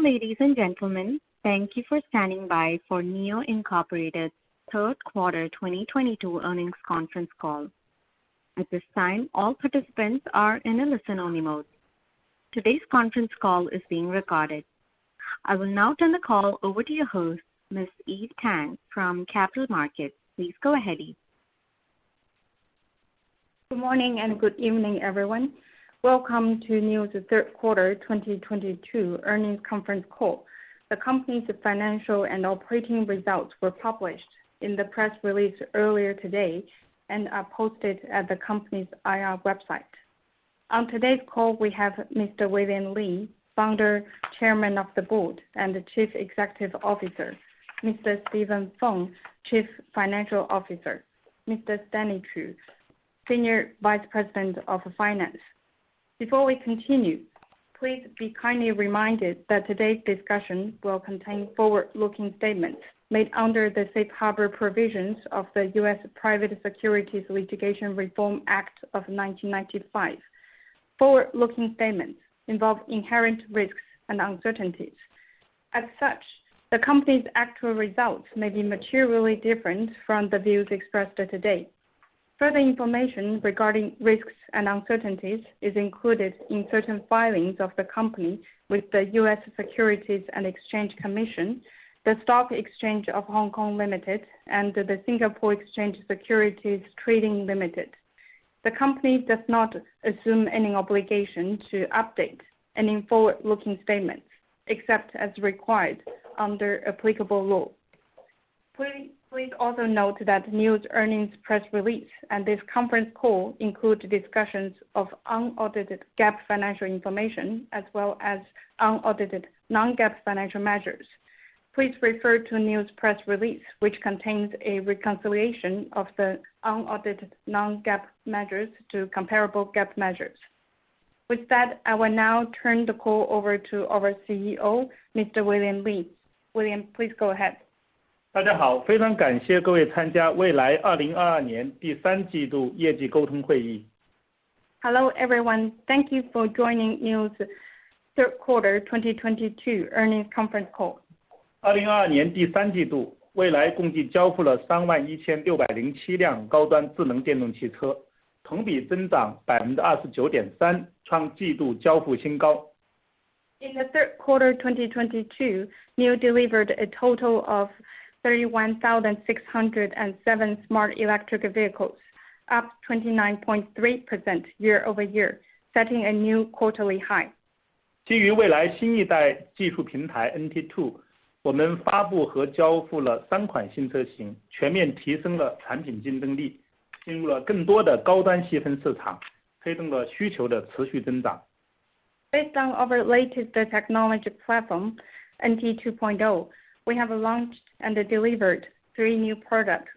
Ladies and gentlemen, thank you for standing by for NIO Inc. third quarter 2022 earnings conference call. At this time, all participants are in a listen-only mode. Today's conference call is being recorded. I will now turn the call over to your host, Ms. Eve Tang from Capital Markets. Please go ahead, Eve. Good morning and good evening, everyone. Welcome to NIO's third quarter 2022 earnings conference call. The company's financial and operating results were published in the press release earlier today and are posted at the company's IR website. On today's call, we have Mr. William Li, Founder, Chairman of the Board, and the Chief Executive Officer, Mr. Steven Feng, Chief Financial Officer, Mr. Stanley Qu, Senior Vice President of Finance. Before we continue, please be kindly reminded that today's discussion will contain forward-looking statements made under the safe harbor provisions of the U.S. Private Securities Litigation Reform Act of 1995. Forward-looking statements involve inherent risks and uncertainties. As such, the company's actual results may be materially different from the views expressed here today. Further information regarding risks and uncertainties is included in certain filings of the company with the U.S. Securities and Exchange Commission, the Stock Exchange of Hong Kong Limited, and the Singapore Exchange Securities Trading Limited. The company does not assume any obligation to update any forward-looking statements except as required under applicable law. Please also note that NIO's earnings press release and this conference call include discussions of unaudited GAAP financial information as well as unaudited non-GAAP financial measures. Please refer to NIO's press release, which contains a reconciliation of the unaudited non-GAAP measures to comparable GAAP measures. With that, I will now turn the call over to our CEO, Mr. William Li. William, please go ahead. Hello, everyone. Thank you for joining NIO's third quarter 2022 earnings conference call. In the third quarter 2022, NIO delivered a total of 31,607 smart electric vehicles, up 29.3% year-over-year, setting a new quarterly high. Based on our latest technology platform, NT 2.0, we have launched and delivered three new product,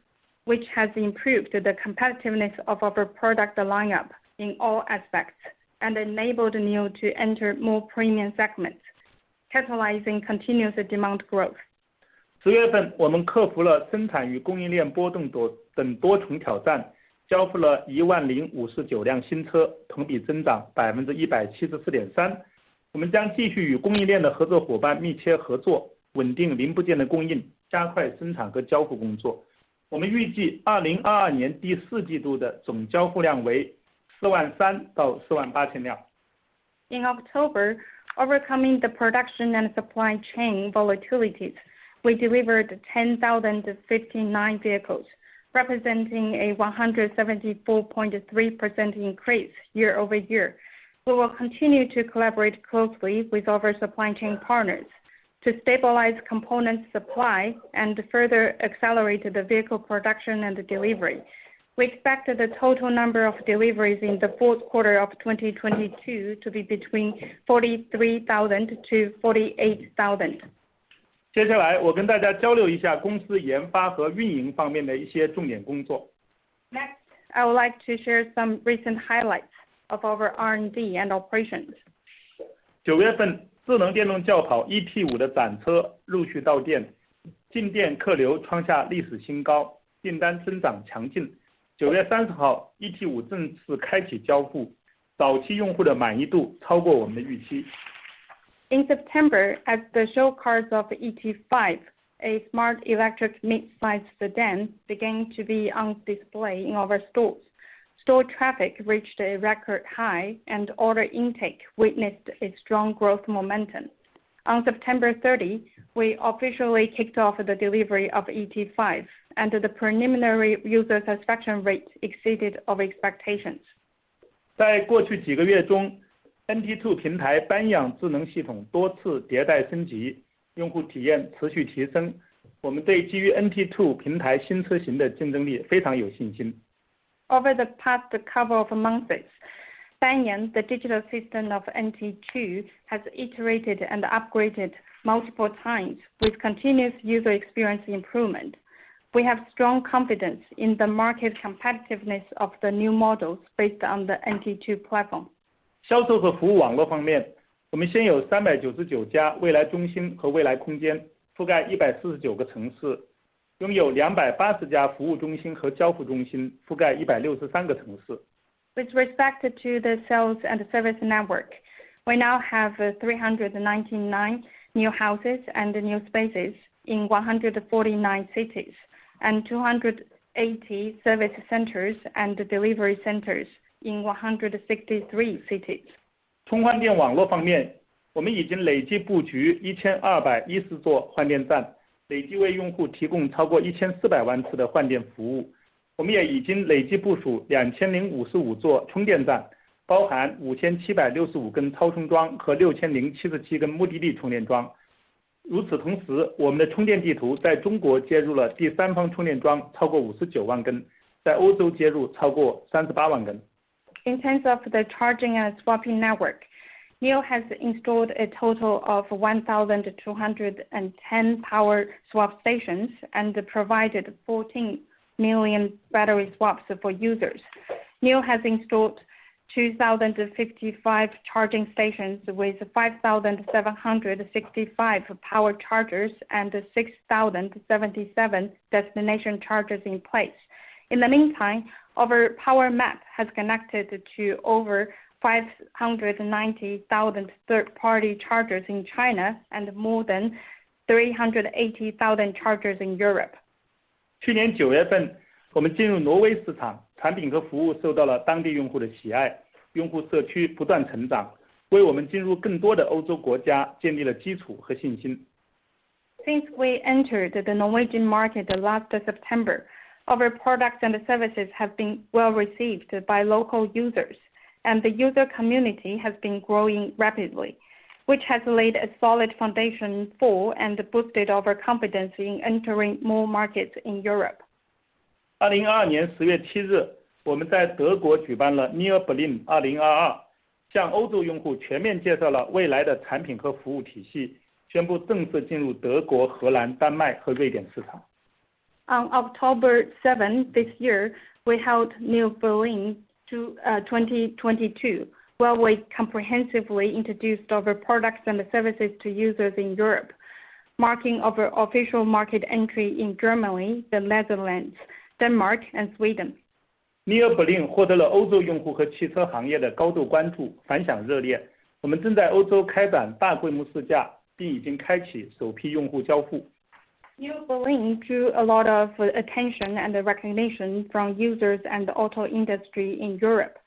which has improved the competitiveness of our product lineup in all aspects and enabled NIO to enter more premium segments, catalyzing continuous demand growth. In October, overcoming the production and supply chain volatilities, we delivered 10,059 vehicles, representing a 174.3% increase year-over-year. We will continue to collaborate closely with our supply chain partners to stabilize component supply and to further accelerate the vehicle production and delivery. We expect the total number of deliveries in the fourth quarter of 2022 to be between 43,000 to 48,000. Next, I would like to share some recent highlights of our R&D and operations. In September, as the show cars of ET5, a smart electric mid-size sedan, began to be on display in our stores. Store traffic reached a record high and order intake witnessed a strong growth momentum. On September 30, we officially kicked off the delivery of ET5, and the preliminary user satisfaction rate exceeded our expectations. Over the past couple of months, Banyan, the digital system of NT 2.0, has iterated and upgraded multiple times with continuous user experience improvement. We have strong confidence in the market competitiveness of the new models based on the NT 2.0 platform. With respect to the sales and service network, we now have 399 NIO Houses and NIO Spaces in 149 cities, and 280 Service Centers and Delivery Centers in 163 cities. In terms of the charging and swapping network, NIO has installed a total of 1,210 Power Swap Stations and provided 14 million battery swaps for users. NIO has installed 2,055 charging stations with 5,765 Power Chargers, and 6,077 Destination Chargers in place. In the meantime, our Power Map has connected to over 590,000 third-party chargers in China and more than 380,000 chargers in Europe. Since we entered the Norwegian market last September, our products and services have been well received by local users, and the user community has been growing rapidly, which has laid a solid foundation for and boosted our confidence in entering more markets in Europe. On October 7 this year, we held NIO Berlin 2022, where we comprehensively introduced our products and services to users in Europe, marking our official market entry in Germany, the Netherlands, Denmark, and Sweden. NIO Berlin 2022 drew a lot of attention and recognition from users and auto industry in Europe.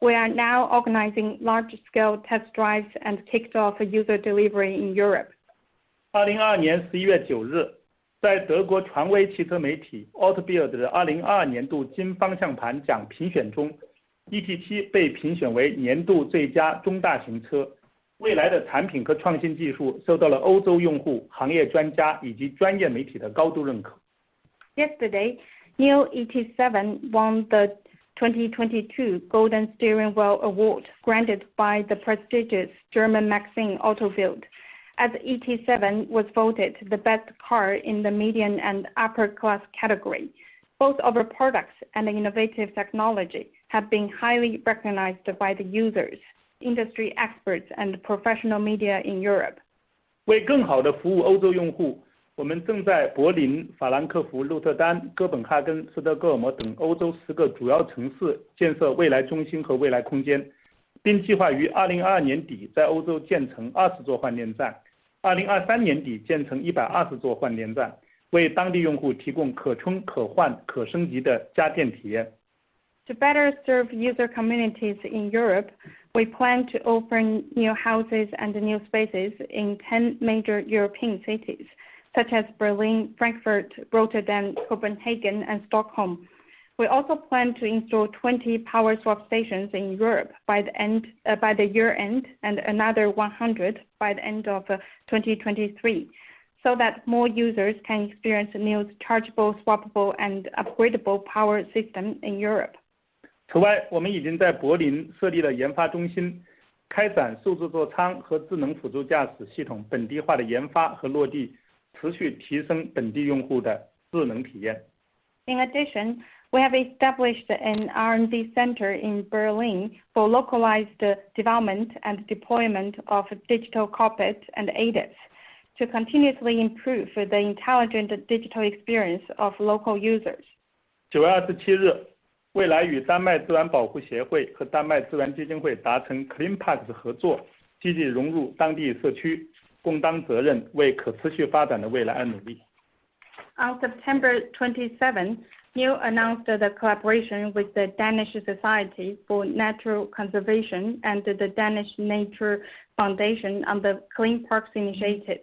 We are now organizing large-scale test drives and kicked off user delivery in Europe. Yesterday, NIO ET7 won the 2022 Golden Steering Wheel Award granted by the prestigious German magazine AUTO BILD, as ET7 was voted the best car in the medium and upper class category. Both our products and innovative technology have been highly recognized by the users, industry experts, and professional media in Europe. To better serve user communities in Europe, we plan to open NIO Houses and NIO Spaces in 10 major European cities such as Berlin, Frankfurt, Rotterdam, Copenhagen, and Stockholm. We also plan to install 20 Power Swap Stations in Europe by the year-end, and another 100 by the end of 2023, so that more users can experience NIO's chargeable, swappable, and upgradable power system in Europe. In addition, we have established an R&D center in Berlin for localized development and deployment of digital cockpit and ADAS to continuously improve the intelligent digital experience of local users. On September 27, NIO announced the collaboration with the Danish Society for Nature Conservation and the Danish Nature Foundation on the Clean Parks Initiative.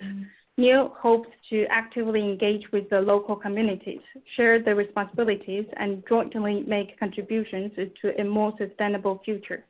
NIO hopes to actively engage with the local communities, share their responsibilities, and jointly make contributions to a more sustainable future.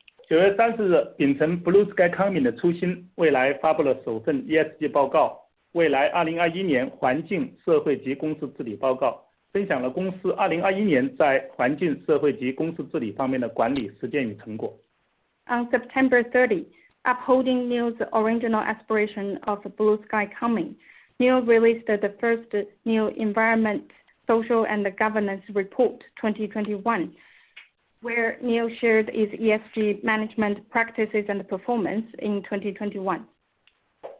On September 30, upholding NIO's original aspiration of Blue Sky Coming, NIO released the first NIO Environmental, Social, and Governance Report 2021, where NIO shared its ESG management practices and performance in 2021.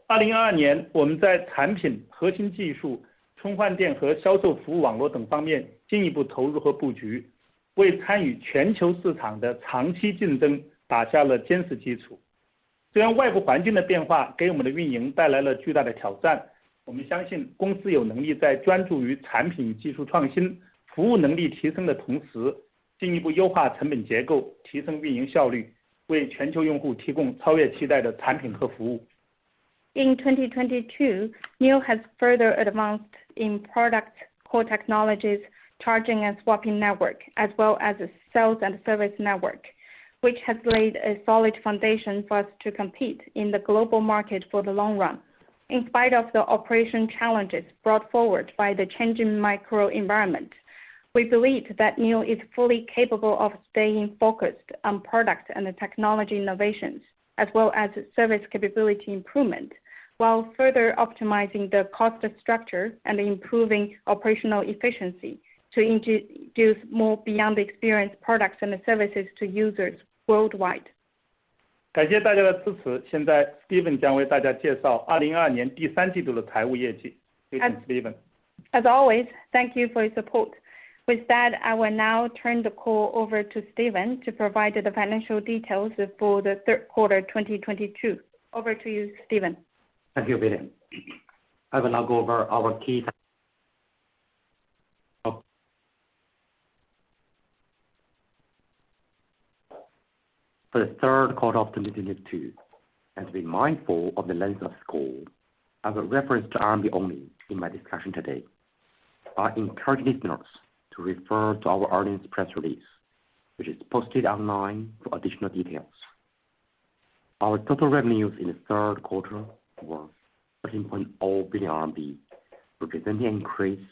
2022年，我们在产品、核心技术、充换电和销售服务网络等方面进一步投入和布局，为参与全球市场的长期竞争打下了坚实基础。虽然外部环境的变化给我们的运营带来了巨大的挑战，我们相信公司有能力在专注于产品技术创新、服务能力提升的同时，进一步优化成本结构，提升运营效率，为全球用户提供超越期待的产品和服务。In 2022, NIO has further advanced in product core technologies, charging and swapping network, as well as sales and service network, which has laid a solid foundation for us to compete in the global market for the long run. In spite of the operational challenges brought forward by the changing macro environment, we believe that NIO is fully capable of staying focused on product and technology innovations as well as service capability improvement, while further optimizing the cost structure and improving operational efficiency to introduce more beyond experience products and services to users worldwide. 感谢大家的支持！现在Steven将为大家介绍2022年第三季度的财务业绩。欢迎Steven。As always, thank you for your support. With that, I will now turn the call over to Steven to provide the financial details for the third quarter 2022. Over to you, Steven. Thank you, William Li. I will now go over for the third quarter of 2022, and to be mindful of the length of this call, I will reference RMB only in my discussion today. I encourage listeners to refer to our earnings press release, which is posted online for additional details. Our total revenues in the third quarter were 13.0 billion RMB, representing an increase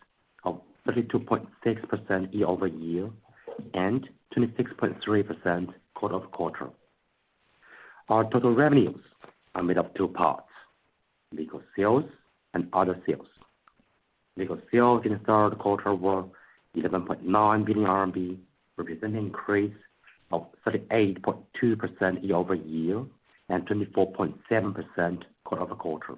of 32.6% year-over-year and 26.3% quarter-over-quarter. Our total revenues are made of two parts, vehicle sales and other sales. Vehicle sales in the third quarter were 11.9 billion RMB, representing an increase of 38.2% year-over-year and 24.7% quarter-over-quarter.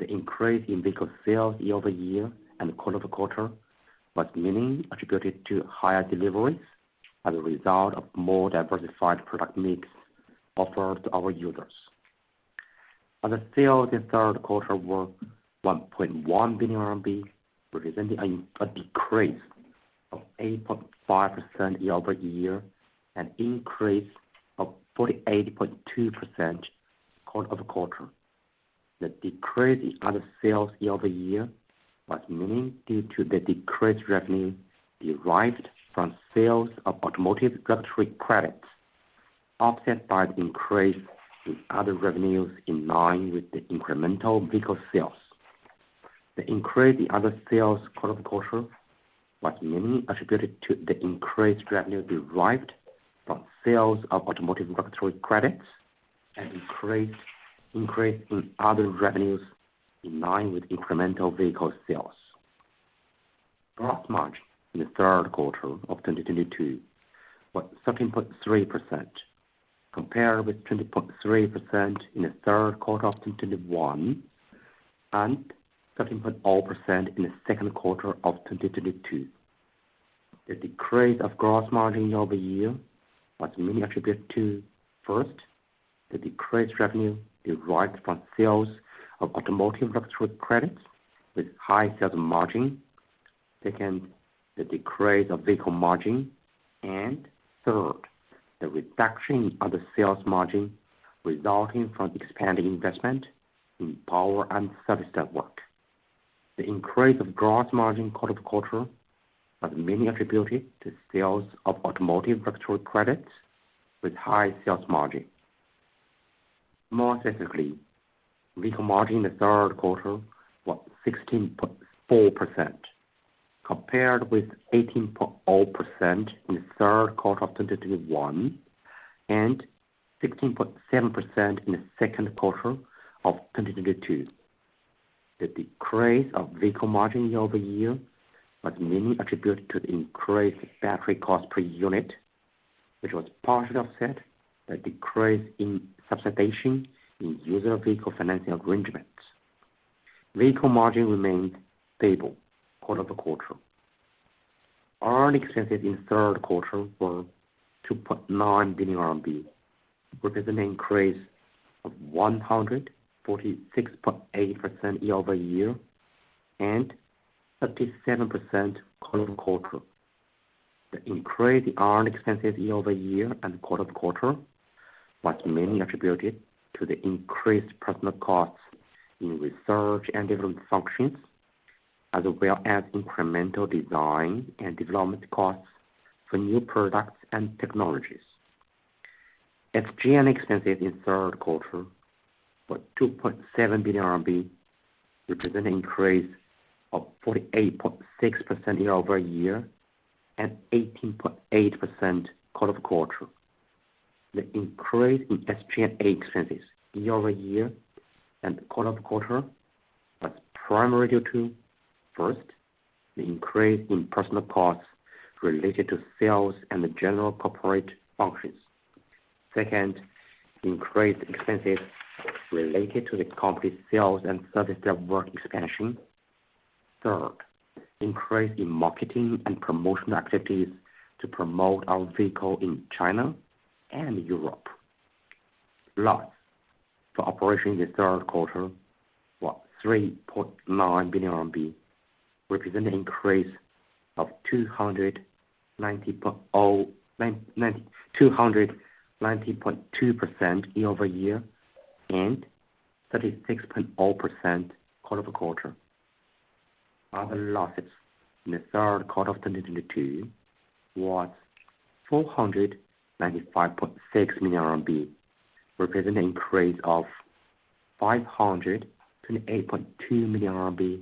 The increase in vehicle sales year-over-year and quarter-over-quarter was mainly attributed to higher deliveries as a result of more diversified product mix offered to our users. Other sales in the third quarter were 1.1 billion RMB, representing a decrease of 8.5% year-over-year and increase of 48.2% quarter-over-quarter. The decrease in other sales year-over-year was mainly due to the decreased revenue derived from sales of automotive regulatory credits, offset by the increase in other revenues in line with the incremental vehicle sales. The increase in other sales quarter-over-quarter was mainly attributed to the increased revenue derived from sales of automotive regulatory credits and increase in other revenues in line with incremental vehicle sales. Gross margin in the third quarter of 2022 was 13.3%, compared with 20.3% in the third quarter of 2021 and 13.0% in the second quarter of 2022. The decrease of gross margin year-over-year was mainly attributed to, first, the decreased revenue derived from sales of automotive regulatory credits with high sales margin. Second, the decrease of vehicle margin. Third, the reduction of the sales margin resulting from expanding investment in power and service network. The increase of gross margin quarter over quarter was mainly attributed to sales of automotive regulatory credits with high sales margin. More specifically, vehicle margin in the third quarter was 16.4%, compared with 18.0% in the third quarter of 2021 and 16.7% in the second quarter of 2022. The decrease of vehicle margin year over year was mainly attributed to the increased battery cost per unit, which was partially offset by decrease in subsidization in user vehicle financing arrangements. Vehicle margin remained stable quarter over quarter. R&D expenses in the third quarter were 2.9 billion RMB, representing an increase of 146.8% year over year and 37% quarter-over-quarter. The increased R&D expenses year-over-year and quarter-over-quarter was mainly attributed to the increased personnel costs in research and development functions, as well as incremental design and development costs for new products and technologies. SG&A expenses in the third quarter were 2.7 billion RMB, representing an increase of 48.6% year-over-year and 18.8% quarter-over-quarter. The increase in SG&A expenses year-over-year and quarter-over-quarter was primarily due to. First, the increase in personnel costs related to sales and the general corporate functions. Second, increased expenses related to the company's sales and service network expansion. Third, increase in marketing and promotional activities to promote our vehicle in China and Europe. Loss from operations in the third quarter was 3.9 billion RMB, represent an increase of 290.2% year-over-year and 36.0% quarter-over-quarter. Other losses in the third quarter of 2022 was 495.6 million RMB, represent an increase of 528.2 million RMB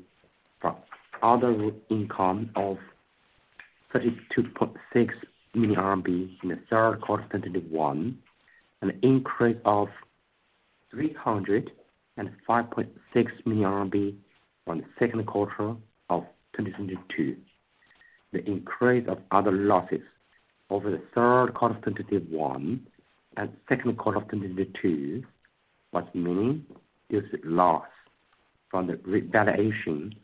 from other income of 32.6 million RMB in the third quarter of 2021, an increase of 305.6 million RMB from the second quarter of 2022. The increase of other losses over the third quarter of 2021 and second quarter of 2022 was mainly due to loss from the revaluation of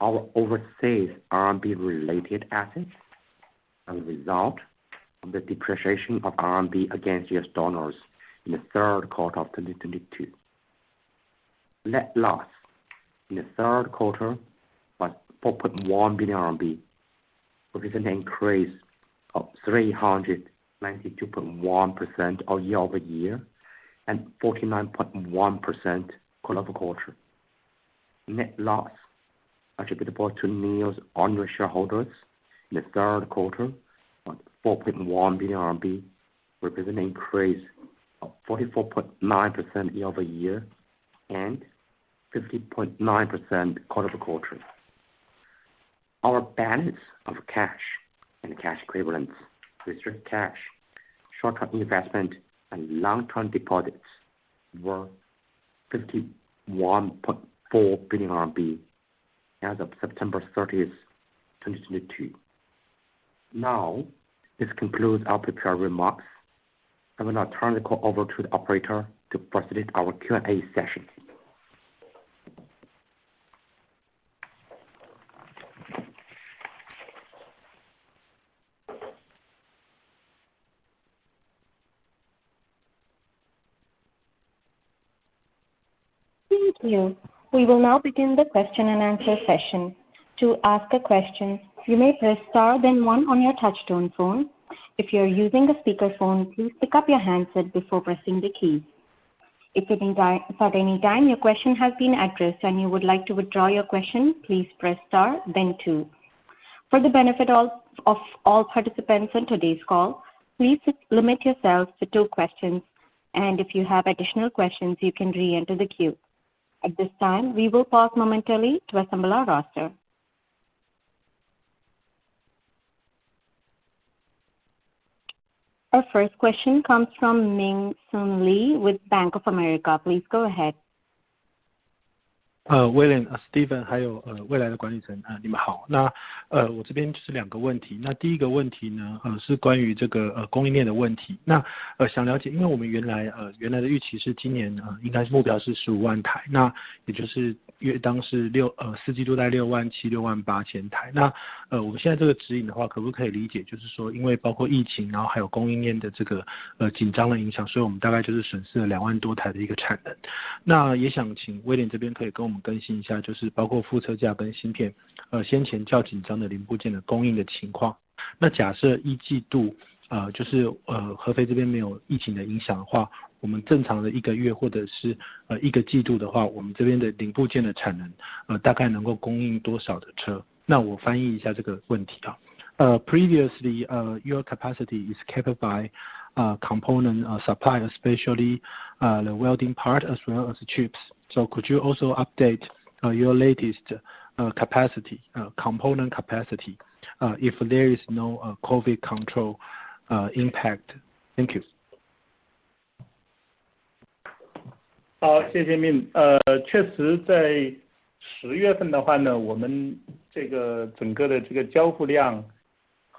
our overseas RMB related assets as a result of the depreciation of RMB against U.S. dollars in the third quarter of 2022. Net loss in the third quarter was 4.1 billion RMB, represent an increase of 392.1% year-over-year and 49.1% quarter-over-quarter. Net loss attributable to NIO's owner shareholders in the third quarter was 4.1 billion RMB, represent increase of 44.9% year-over-year and 50.9% quarter-over-quarter. Our balance of cash and cash equivalents, restricted cash, short-term investment and long-term deposits were 51.4 billion RMB as of September 30, 2022. Now, this concludes our prepared remarks. I will now turn the call over to the operator to proceed with our Q&A session. Thank you. We will now begin the question and answer session. To ask a question, you may press star then one on your touchtone phone. If you are using a speakerphone, please pick up your handset before pressing the key. If at any time your question has been addressed and you would like to withdraw your question, please press star then two. For the benefit of all participants on today's call, please limit yourselves to two questions, and if you have additional questions, you can reenter the queue. At this time, we will pause momentarily to assemble our roster. Our first question comes from Ming Hsun Lee with Bank of America. Please go ahead. William、Steven 还有管理层，你们好。那我这边就是两个问题，那第一个问题呢，是关于这个供应端的问题，那想了解，因为我们原来的预期是今年应该目标是十五万台，那也就是约当是四季度在六万七、六万八千台。那我们现在这个指引的话，可不可以理解，就是说因为包括疫情，然后还有供应端的这个紧张的影响，所以我们大概就是损失了两万多台的一个产能。那也想请 William 这边可以跟我们更新一下，就是包括副车架跟芯片，先前较紧张的零部件的供应的情况。那假设一季度，就是合肥这边没有疫情的影响的话，我们正常的一个月或者是一个季度的话，我们这边的零部件的产能，大概能够供应多少的车？ 那我翻译一下这个问题啊。Previously, your capacity is kept by component supply especially the welding part as well as chips. Could you also update your latest capacity, component capacity, if there is no COVID control impact? Thank you. 好，谢谢 Ming。确实在十月份的话呢，我们整个的交付量和我们自己的生产吧，和我们自己的预计确实是少了几千台。就十月份的话，当然好几个因素的影响吧，这个有我们像讲到的副车架，对我们的这个是有一些影响。但副车架的话，在十一月份的话，应该我们是基本上就已经解决了。那么第二个来讲的话呢，我们确实也是，因为我们 ET5 的话呢，用到了我们新的这个 EDS 的工厂，这个就在我们的这个 F2 边上，我们建了一个全新的工厂，这个工厂，EDS 工厂的自动化程度是非常高，我们大概三十多个工人就能支持这个，就能支持整个的工厂，但是这个里面的爬产的话呢也确实影响了不少，大概影响了我们大概两三千台的产出了。那么另外还有一个当然就是这个，疫情也确实影响了一些，这个大概我们前后加起来影响了一周多的产能吧。所以这几个因素加起来的话呢，让我们十月份确实是少产了不少。当然这个对十一月份，现在我们已经生产已经恢复了，我们的 EDS 的这个在十一，在下周我们也会新增加一条产线，到月底差不多也能爬坡，爬上来。那么副车架的问题已经解决了，那么我们预计在十二月份的话，我们应该是就 ET5 能够达到我们爬坡的预期，ET7 和 ES7 目前基本上没有大的障碍。谢谢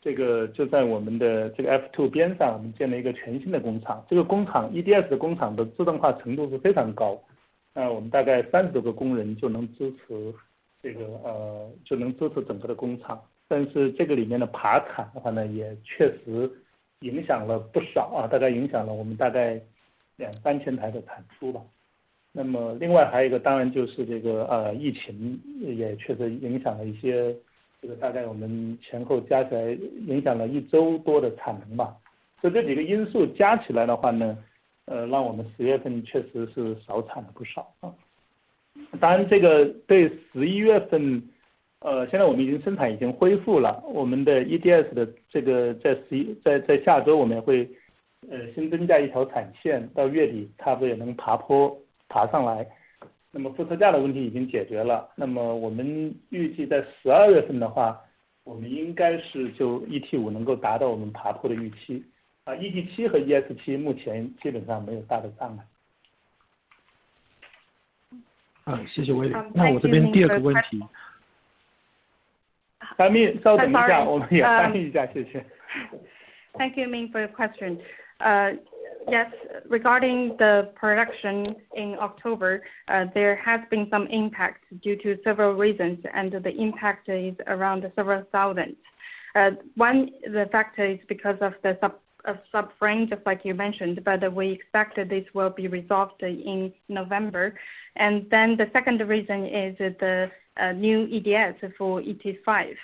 William。那我这边第二个问题。翻译，稍等一下。I'm sorry. 翻译一下，谢谢。Thank you Ming for your question. Yes, regarding the production in October, there have been some impacts due to several reasons, and the impact is around several thousand. One of the factors is because of the subframe just like you mentioned, but we expect this will be resolved in November. The second reason is the new EDS for ET5.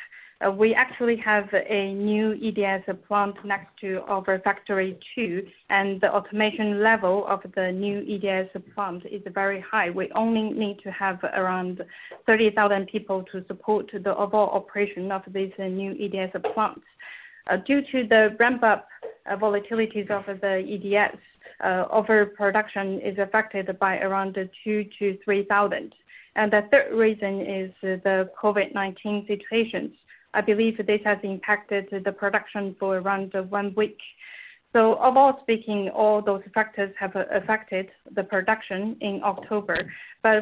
We actually have a new EDS plant next to our Factory Two, and the automation level of the new EDS plant is very high. We only need to have around 30,000 people to support the overall operation of this new EDS plant. Due to the ramp up volatilities of the EDS, overall production is affected by around 2,000-3,000. The third reason is the COVID-19 situations, I believe this has impacted the production for around one week. Overall speaking, all those factors have affected the production in October.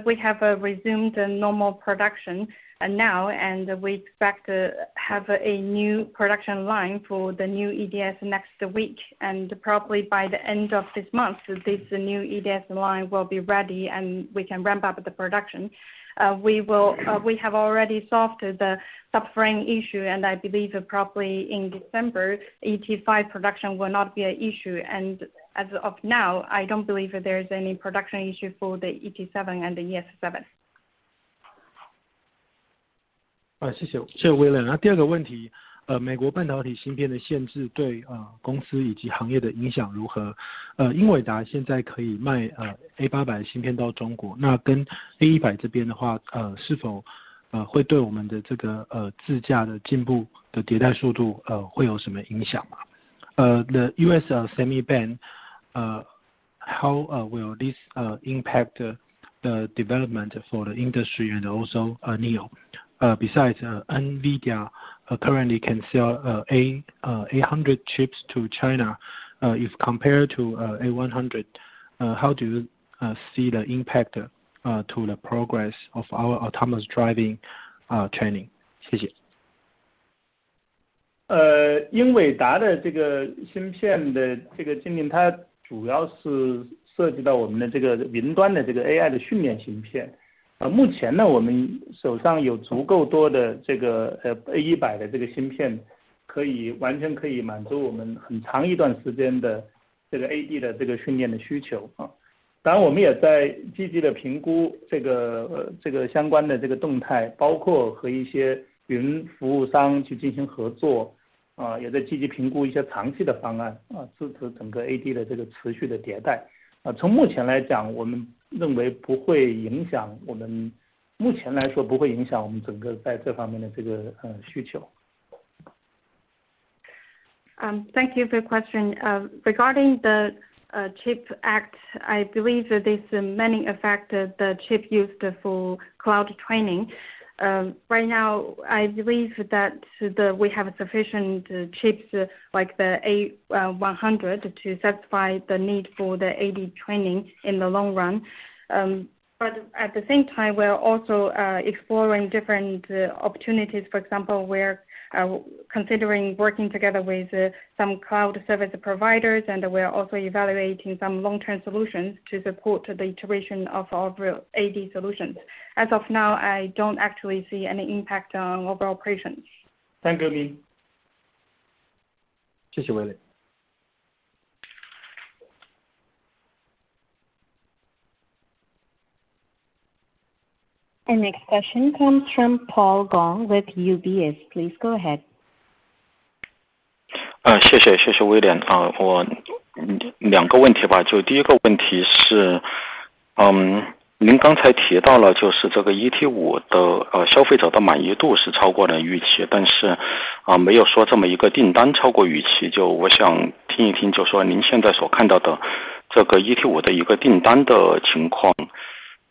We have resumed normal production now, and we expect to have a new production line for the new EDS next week, and probably by the end of this month this new EDS line will be ready and we can ramp up the production. We have already solved the sub-frame issue and I believe probably in December, ET5 production will not be an issue. As of now, I don't believe there is any production issue for the ET7 and the ES7. 谢谢William。第二个问题，美国半导体芯片的限制对公司以及行业的影响如何？英伟达现在可以卖A800芯片到中国，那跟A100这边的话，是否会对我们的自驾的进步的迭代速度会有什么影响吗？The U.S. semi ban, how will this impact the development for the industry and also NIO? Besides Nvidia currently can sell A800 chips to China, if compared to A100, how do you see the impact to the progress of our autonomous driving training? Xie xie. Thank you for your question. Regarding the CHIPS Act, I believe there's many effects on the chips used for cloud training. Right now I believe that we have sufficient chips like the A100 to satisfy the need for the AD training in the long run. At the same time, we are also exploring different opportunities. For example, we're considering working together with some cloud service providers, and we are also evaluating some long-term solutions to support the iteration of our AD solutions. As of now, I don't actually see any impact on overall operations. Thank you, Ming. 谢谢, William. The next question comes from Paul Gong from UBS 谢谢，谢谢 William。我两个问题吧，就第一个问题是，您刚才提到了就是这个 ET5 的消费者的满意度是超过了预期，但是没有说这么一个订单超过预期，就我想听一听，就说您现在所看到的这个 ET5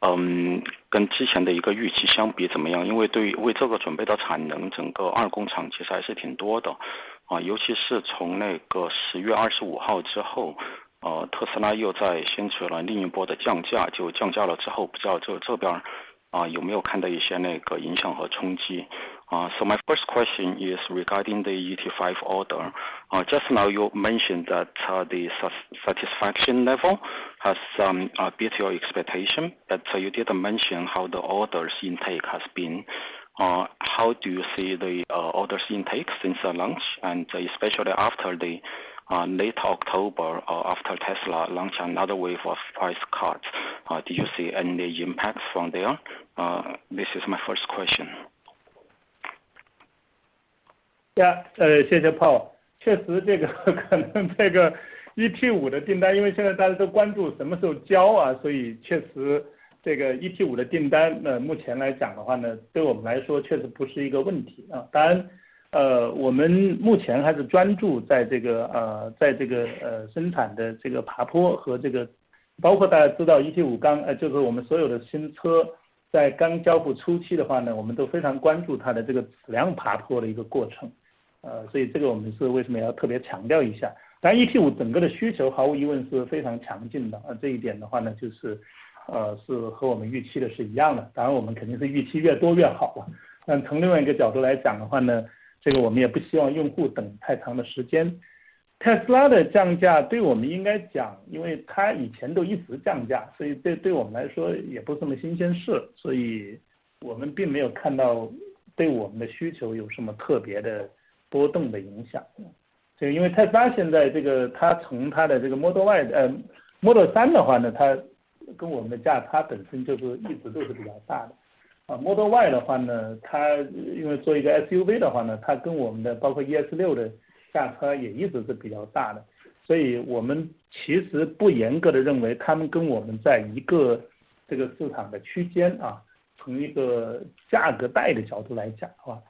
的一个订单的情况，跟之前的一个预期相比怎么样？因为对于为这个准备的产能，整个二工厂其实还是挺多的。尤其是从那个十月二十五号之后，特斯拉又再掀起了另一波的降价，就降价了之后，不知道这边有没有看到一些那个影响和冲击。So my first question is regarding the ET5 order. Just now you mentioned that the satisfaction level has beat your expectation, but you didn't mention how the orders intake has been. How do you see the orders intake since the launch, and especially after late October or after Tesla launched another wave of price cuts? Do you see any impacts from there? This is my first question. Y、Model 3的话，它跟我们的价差本身就是一直都是比较大的。Model Y的话，它因为做一个SUV的话，它跟我们的包括ES6的价差也一直是比较大的，所以我们其实不严格地认为他们跟我们在一个这个市场的区间，从一个价格带的角度来讲的话，所以so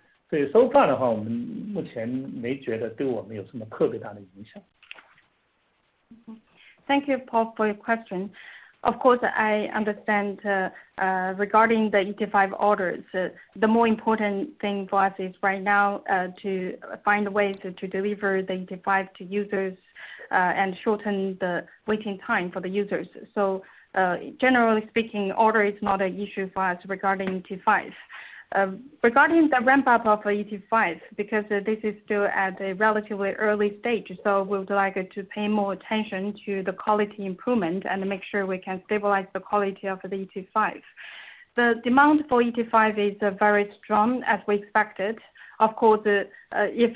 far的话，我们目前没觉得对我们有什么特别大的影响。Thank you, Paul, for your question. Of course I understand, regarding the ET5 orders, the more important thing for us is right now to find a way to deliver the ET5 to users and shorten the waiting time for the users. Generally speaking, order is not an issue for us regarding ET5. Regarding the ramp up of ET5, because this is still at a relatively early stage, so we would like to pay more attention to the quality improvement and make sure we can stabilize the quality of the ET5. The demand for ET5 is very strong as we expected. Of course, if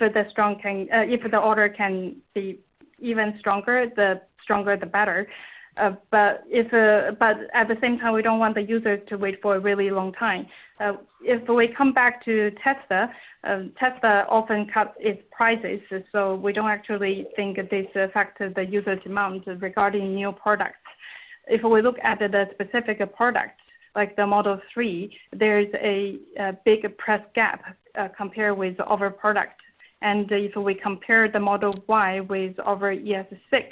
the order can be even stronger, the stronger the better. At the same time we don't want the user to wait for a really long time. If we come back to Tesla often cut its prices, so we don't actually think this affect the users demand regarding new products. If we look at the specific product like the Model 3, there is a big price gap compare with other product. If we compare the Model Y with our ES6,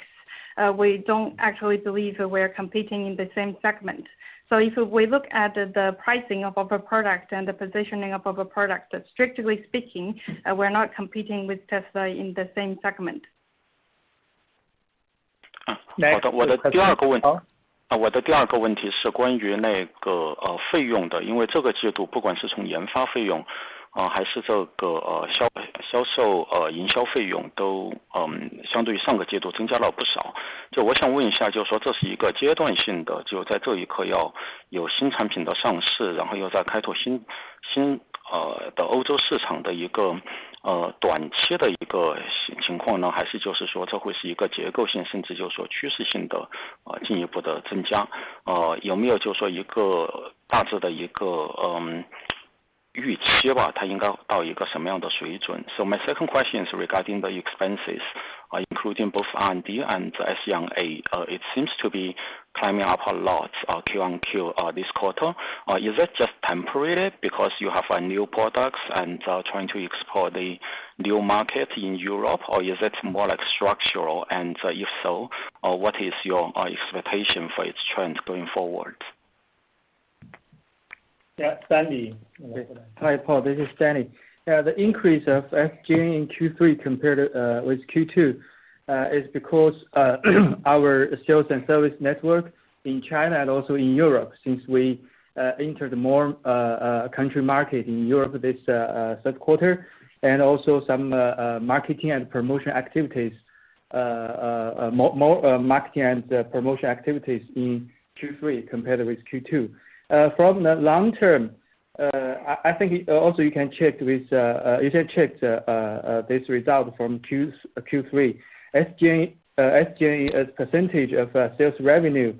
we don't actually believe we're competing in the same segment. If we look at the pricing of our product and the positioning of our product, strictly speaking, we're not competing with Tesla in the same segment. 啊 Next- 我的第二个问题—— Paul。我的第二个问题是关于费用的，因为这个季度不管是从研发费用，还是销售、营销费用都相对于上个季度增加了不少。我想问一下，就是说这是一个阶段性的，就在这一刻要有新产品的上市，然后又在开拓新的欧洲市场的一个短期的情况呢，还是就是说这会是一个结构性，甚至就是说趋势性的进一步的增加，有没有就说一个大致的预期吧，它应该到一个什么样的水准。My second question is regarding the expenses, including both R&D and SG&A, it seems to be climbing up a lot Q on Q this quarter. Is that just temporary because you have new products and trying to explore the new market in Europe? Or is it more like structural? And if so, what is your expectation for its trend going forward? Yeah，Stanley。Hi, Paul, this is Stanley. Yeah, the increase of SG&A in Q3 compared with Q2 is because our sales and service network in China and also in Europe, since we entered more country market in Europe this third quarter, and also some marketing and promotion activities, more marketing and promotion activities in Q3 compared with Q2. From the long term, I think also you can check with this result from Q3, SG&A as a percentage of sales revenue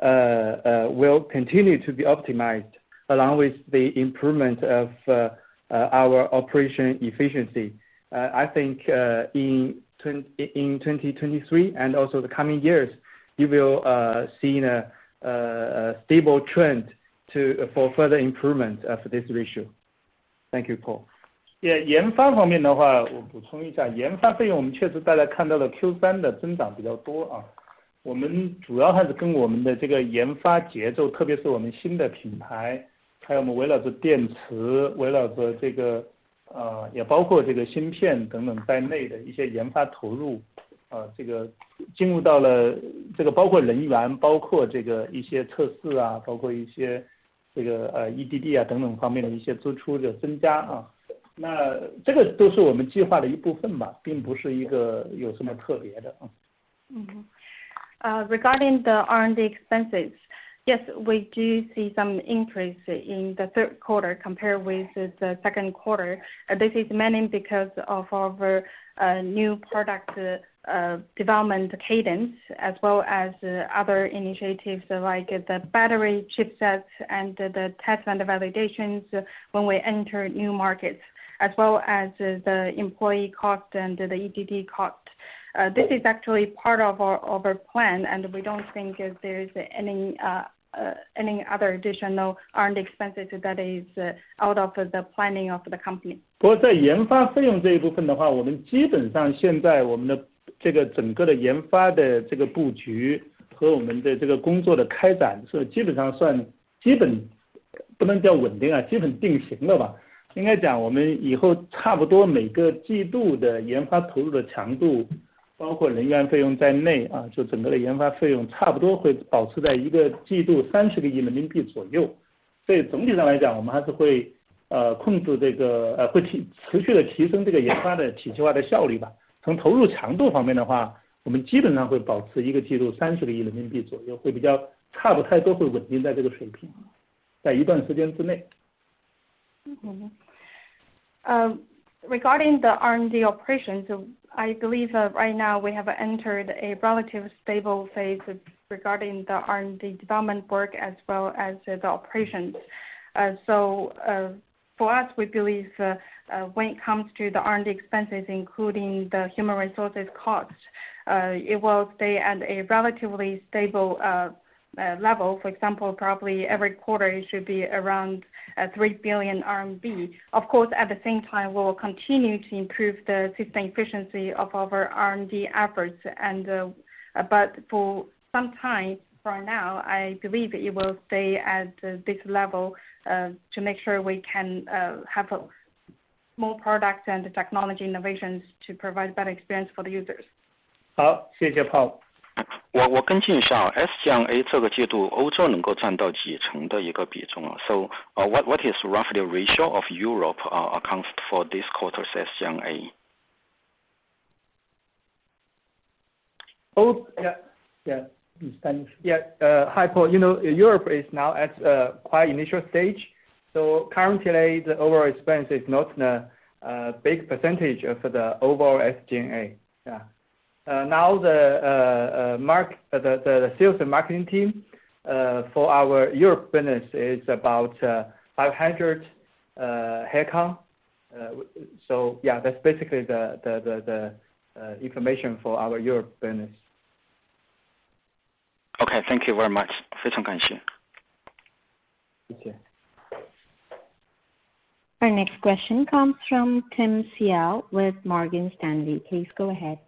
will continue to be optimized along with the improvement of our operation efficiency. I think in 2023 and also the coming years, you will see a stable trend for further improvement of this ratio. Thank you, Paul. 研发方面的话，我补充一下，研发费用我们确实大家看到了Q3的增长比较多，我们主要还是跟我们的这个研发节奏，特别是我们新的品牌，还有我们围绕着电池，围绕着这个，也包括这个芯片等等在内的一些研发投入，这个进入到了，这个包括人员，包括这个一些测试，包括一些这个EDD等等方面的一些支出的增加，那这个都是我们计划的一部分吧，并不是一个有什么特别的。Regarding the R&D expenses. Yes, we do see some increase in the third quarter compared with the second quarter. This is mainly because of our new product development cadence, as well as other initiatives like the battery chipsets and the test and validations when we enter new markets, as well as the employee cost and the EDD cost. This is actually part of our plan, and we don't think there's any other additional R&D expenses that is out of the planning of the company. Regarding the R&D operations, I believe right now we have entered a relatively stable phase regarding the R&D development work as well as the operations. For us, we believe when it comes to the R&D expenses including the human resources costs, it will stay at a relatively stable level. For example, probably every quarter it should be around 3 billion RMB. Of course at the same time we will continue to improve the system efficiency of our R&D efforts. For some time for now, I believe it will stay at this level to make sure we can have more products and technology innovations to provide better experience for the users. 好，谢谢 Paul。我跟进一下，SG&A 这个季度欧洲能够占到几成的 一个比重。What is roughly the ratio of Europe accounts for this quarter's SG&A? Hi, Paul, you know Europe is now at a quite initial stage, so currently the overall expense is not a big percentage of the overall SG&A. The sales and marketing team for our Europe business is about 500 headcount. That's basically the information for our Europe business. Okay, thank you very much. 非常感谢. 谢谢。Our next question comes from Tim Hsiao with Morgan Stanley. Please go ahead.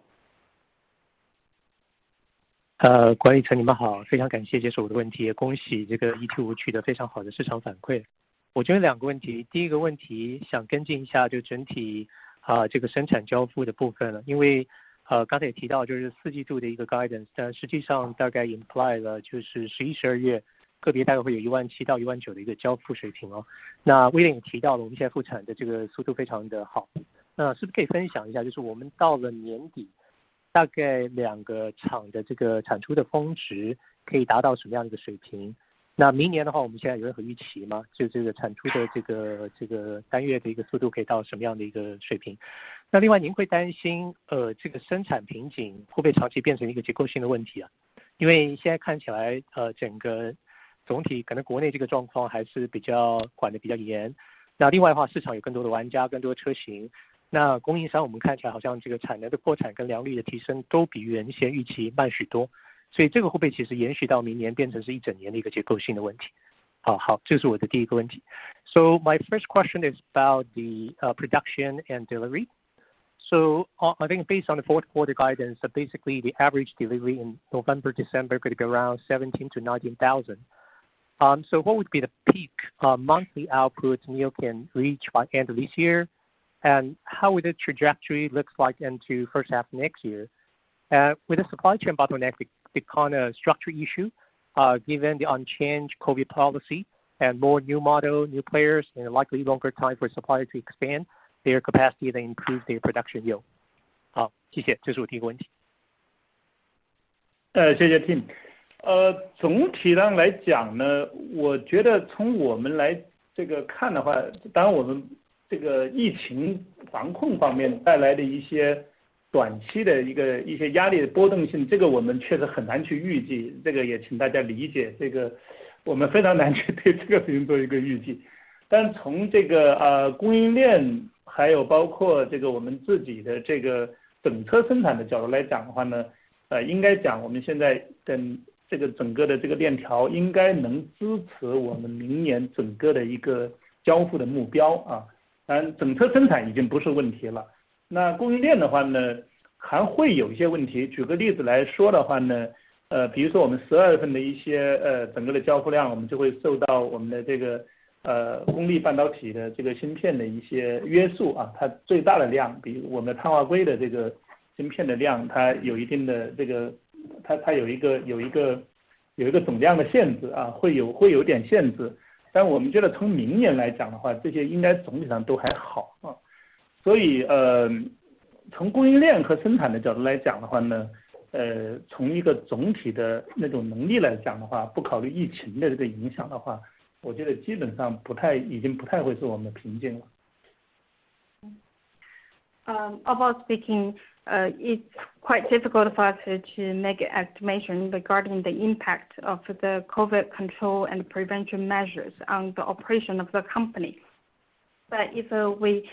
广义成你们好，非常感谢接受我的问题，恭喜这个ET5取得非常好的市场反馈。我这边两个问题，第一个问题想跟进一下，就是整体这个生产交付的部分。因为刚才也提到就是四季度的guidance，但实际上大概imply了就是十一、十二月个别大概会有一万七到一万九的一个交付水平。那William提到了我们现在复产的这个速度非常的好，那是不是可以分享一下，就是我们到了年底大概两个厂的这个产出的峰值可以达到什么样一个水平？那明年的话我们现在有任何预期吗？就这个产出的这个单月的一个速度可以到什么样的一个水平。那另外您会担心这个生产瓶颈会不会长期变成一个结构性的问题啊？因为现在看起来整个总体可能国内这个状况还是比较管得比较严。那另外的话，市场有更多的玩家，更多的车型，那供应商我们看起来好像这个产能的扩产跟良率的提升都比原先预期慢许多，所以这个会不会其实延续到明年，变成是一整年的一个结构性的问题？好，这是我的第一个问题。So my first question is about the production and delivery. So I think based on the fourth quarter guidance that basically the average delivery in November, December could be around 17,000-19,000. So what would be the peak monthly output NIO can reach by end of this year? How would the trajectory look like into first half next year? With the supply chain bottleneck become a structural issue, given the unchanged COVID policy and more new models, new players and likely longer time for suppliers to expand their capacity to increase their production yields. 好，谢谢，这是我的第一个问题。It's quite difficult for us to make an estimation regarding the impact of the COVID control and prevention measures on the operation of the company. If we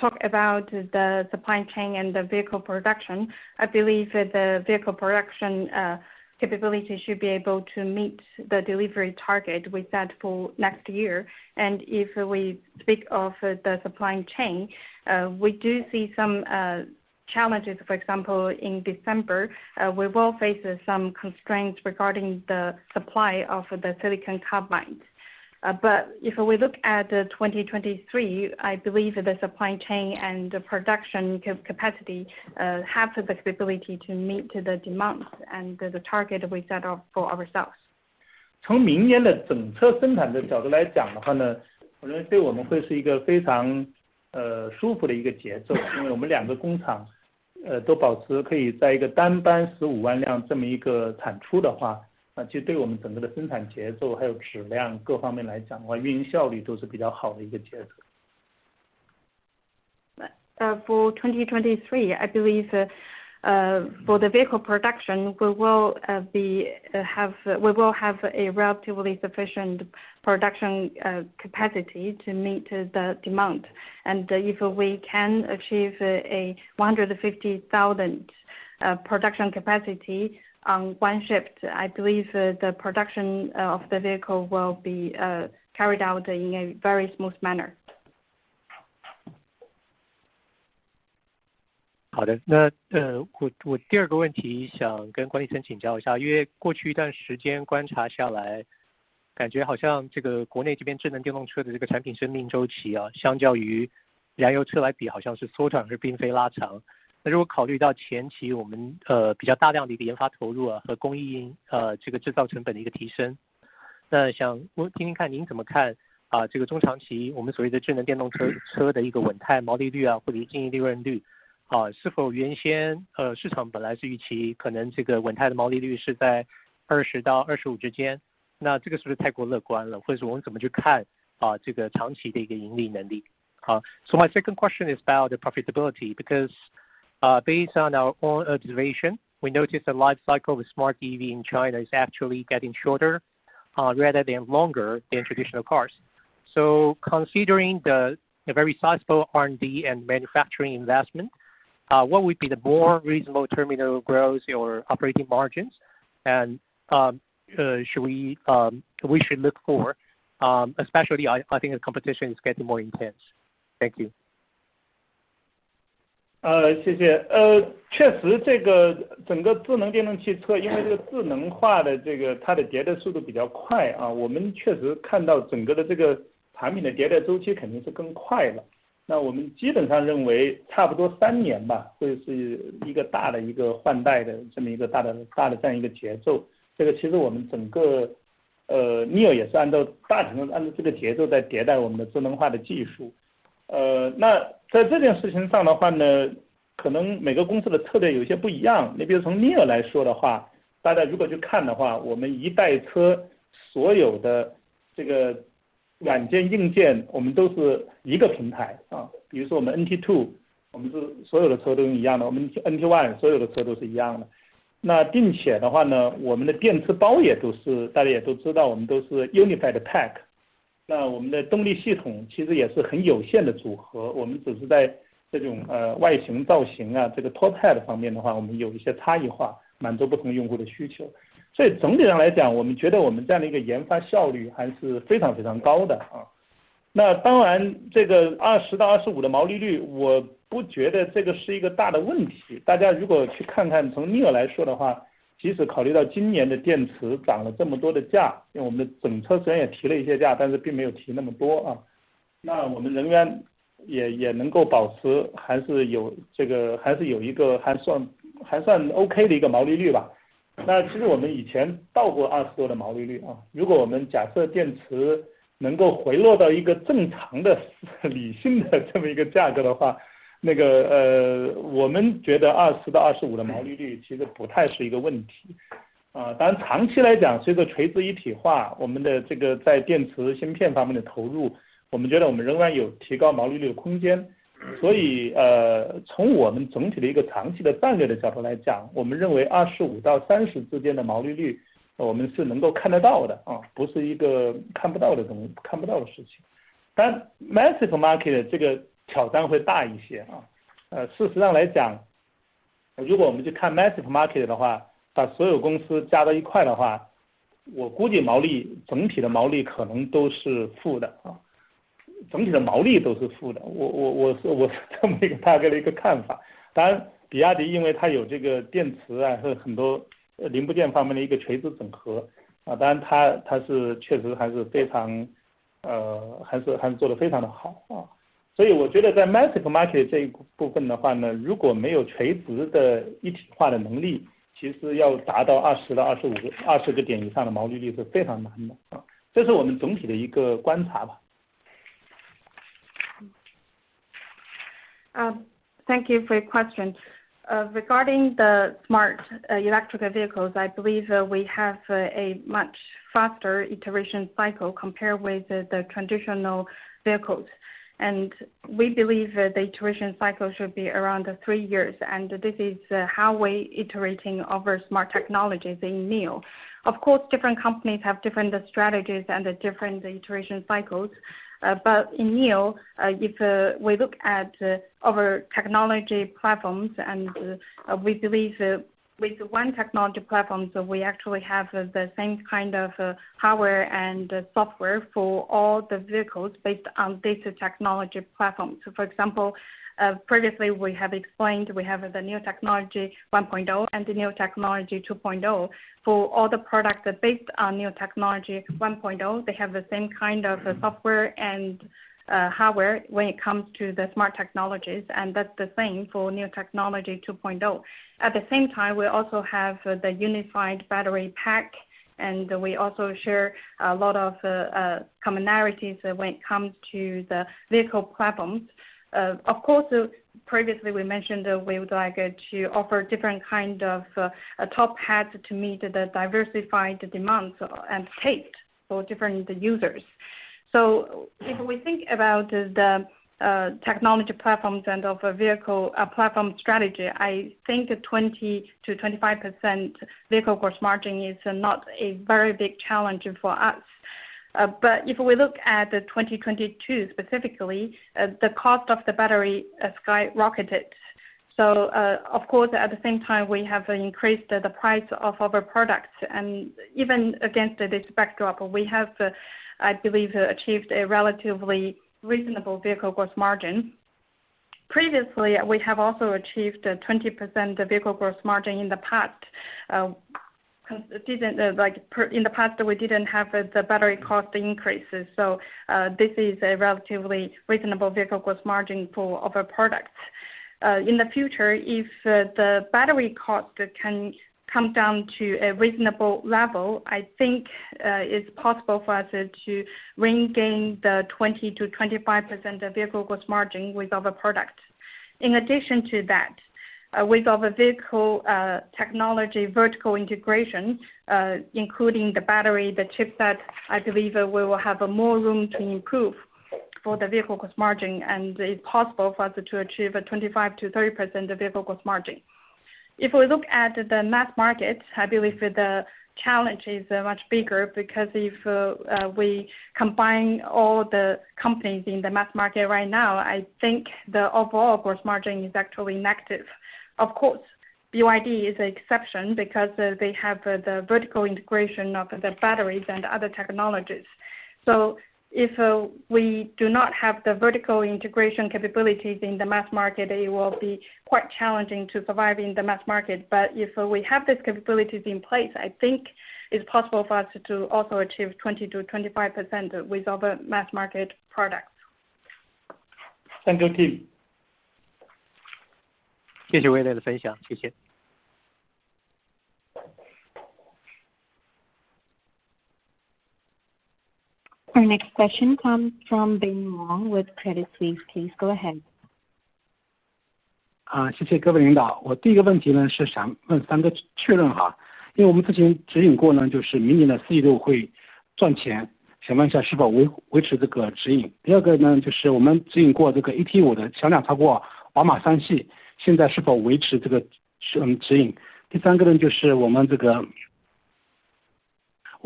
talk about the supply chain and the vehicle production, I believe the vehicle production capability should be able to meet the delivery target we set for next year. If we speak of the supply chain, we do see some challenges. For example, in December, we will face some constraints regarding the supply of the silicon carbide. If we look at 2023, I believe the supply chain and production capacity has the capability to meet the demands and the target we set up for ourselves. 从明年的整车生产的角度来讲的话，我认为对我们会是一个非常舒服的一个节奏，因为我们两个工厂都保持可以在一个单班十五万辆这么一个产出的话，那其实对我们整个的生产节奏，还有质量各方面来讲的话，运营效率都是比较好的一个节奏。For 2023, I believe, for the vehicle production, we will have a relatively sufficient production capacity to meet the demand. If we can achieve a 150,000 production capacity on one shift, I believe the production of the vehicle will be carried out in a very smooth manner. 那我第二个问题想跟管理层请教一下，因为过去一段时间观察下来，感觉好像这个国内这边智能电动车的这个产品生命周期啊，相较于燃油车来比，好像是缩短而并非拉长。那如果考虑到前期我们，比较大量的一个研发投入啊，和供应，这个制造成本的一个提升，那想听听看您怎么看，啊，这个中长期我们所谓的智能电动车的一个稳态毛利率啊，或者经营利润率，啊。是否原先，市场本来是预期可能这个稳态的毛利率是在20到25之间，那这个是不是太过乐观了，或者说我们怎么去看，啊，这个长期的一个盈利能力，好。So my second question is about the profitability, because, based on our own observation, we notice the life cycle with smart EV in China is actually getting shorter, rather than longer than traditional cars. So considering the very sizable R&D and manufacturing investment, what would be the more reasonable terminal growth your operating margins? We should look for, especially I think the competition is getting more intense. Thank you. 确实这个整个智能电动汽车，因为这个智能化的这个它的迭代速度比较快，我们确实看到整个的这个产品的迭代周期肯定是更快的。那我们基本上认为差不多三年吧，会是一个大的一个换代的这么一个大的，大的这样一个节奏。这个其实我们整个，NIO也是按照，大体上按照这个节奏在迭代我们的智能化的技术。那在这件事情上的话呢，可能每个公司的特点有些不一样，你比如从NIO来说的话，大家如果去看的话，我们一代车所有的这个软件硬件我们都是一个平台，比如说我们NT2，我们是所有的车都一样的，我们NT1所有的车都是一样的。那并且的话呢，我们的电池包也都是，大家也都知道，我们都是unified battery pack，那我们的动力系统其实也是很有限的组合，我们只是在这种外形造型，这个top market这一部分的话呢，如果没有垂直的一体化的能力，其实要达到20%到25%，20个点以上的毛利率是非常难的，这是我们总体的一个观察吧。Thank you for your question. Regarding the smart electric vehicles, I believe we have a much faster iteration cycle compared with the traditional vehicles. We believe that the iteration cycle should be around three years, and this is how we're iterating over smart technologies in NIO. Of course, different companies have different strategies and different iteration cycles. But in NIO, if we look at our technology platforms and we believe that with one technology platform, we actually have the same kind of hardware and software for all the vehicles based on that technology platform. For example, previously we have explained we have the NIO Technology 1.0 and the NIO Technology 2.0. For all the products that based on NIO technology 1.0, they have the same kind of software and hardware when it comes to the smart technologies, and that's the same for NIO technology 2.0. At the same time, we also have the unified battery pack, and we also share a lot of commonalities when it comes to the vehicle platforms. Of course, previously we mentioned we would like to offer different kind of top hats to meet the diversified demands and taste for different users. If we think about the technology platforms and a platform strategy, I think 20%-25% vehicle gross margin is not a very big challenge for us. But if we look at 2022, specifically, the cost of the battery skyrocketed. Of course, at the same time we have increased the price of our products. Even against this backdrop, we have, I believe, achieved a relatively reasonable vehicle gross margin. Previously, we have also achieved a 20% vehicle gross margin in the past. In the past, we didn't have the battery cost increases. This is a relatively reasonable vehicle gross margin for our products. In the future, if the battery cost can come down to a reasonable level, I think, it's possible for us to regain the 20%-25% vehicle gross margin with our product. In addition to that, with our vehicle technology vertical integration, including the battery, the chipset, I believe we will have a more room to improve for the vehicle gross margin, and it's possible for us to achieve a 25%-30% vehicle gross margin. If we look at the mass market, I believe the challenge is much bigger, because if we combine all the companies in the mass market right now, I think the overall gross margin is actually negative. Of course, BYD is an exception because they have the vertical integration of the batteries and other technologies. If we do not have the vertical integration capabilities in the mass market, it will be quite challenging to survive in the mass market. If we have these capabilities in place, I think it's possible for us to also achieve 20%-25% with our mass market products. Thank you, Tim. Our next question comes from Bin Wang with Credit Suisse. Please go ahead.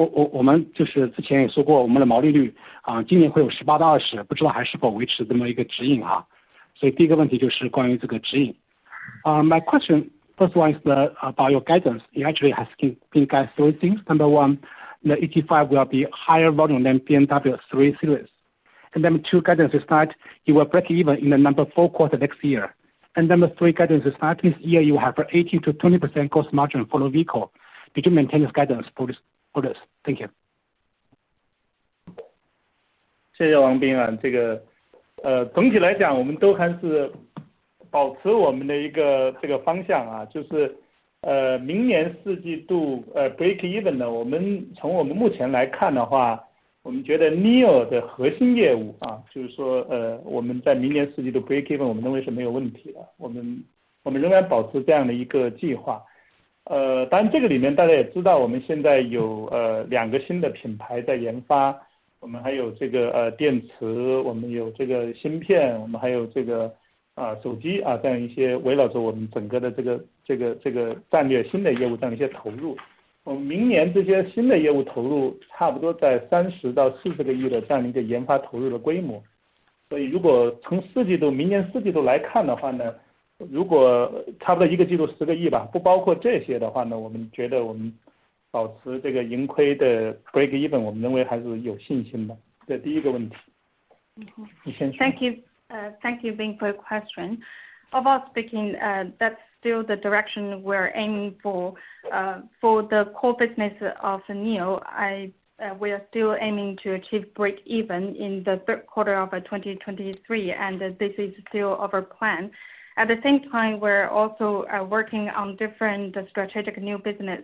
My question, first one is about your guidance. It actually has three things. Number one, the ET5 will be higher volume than BMW 3 Series. Number two, guidance is that you will break even in the fourth quarter next year. Number three, guidance is that this year you will have 18%-20% gross margin for the vehicle. Do you maintain this guidance for this? Thank you. Thank you, Bin Wang, for your question. About speaking, that's still the direction we're aiming for. For the core business of NIO, we are still aiming to achieve break even in the third quarter of 2023, and this is still our plan. At the same time, we're also working on different strategic new business.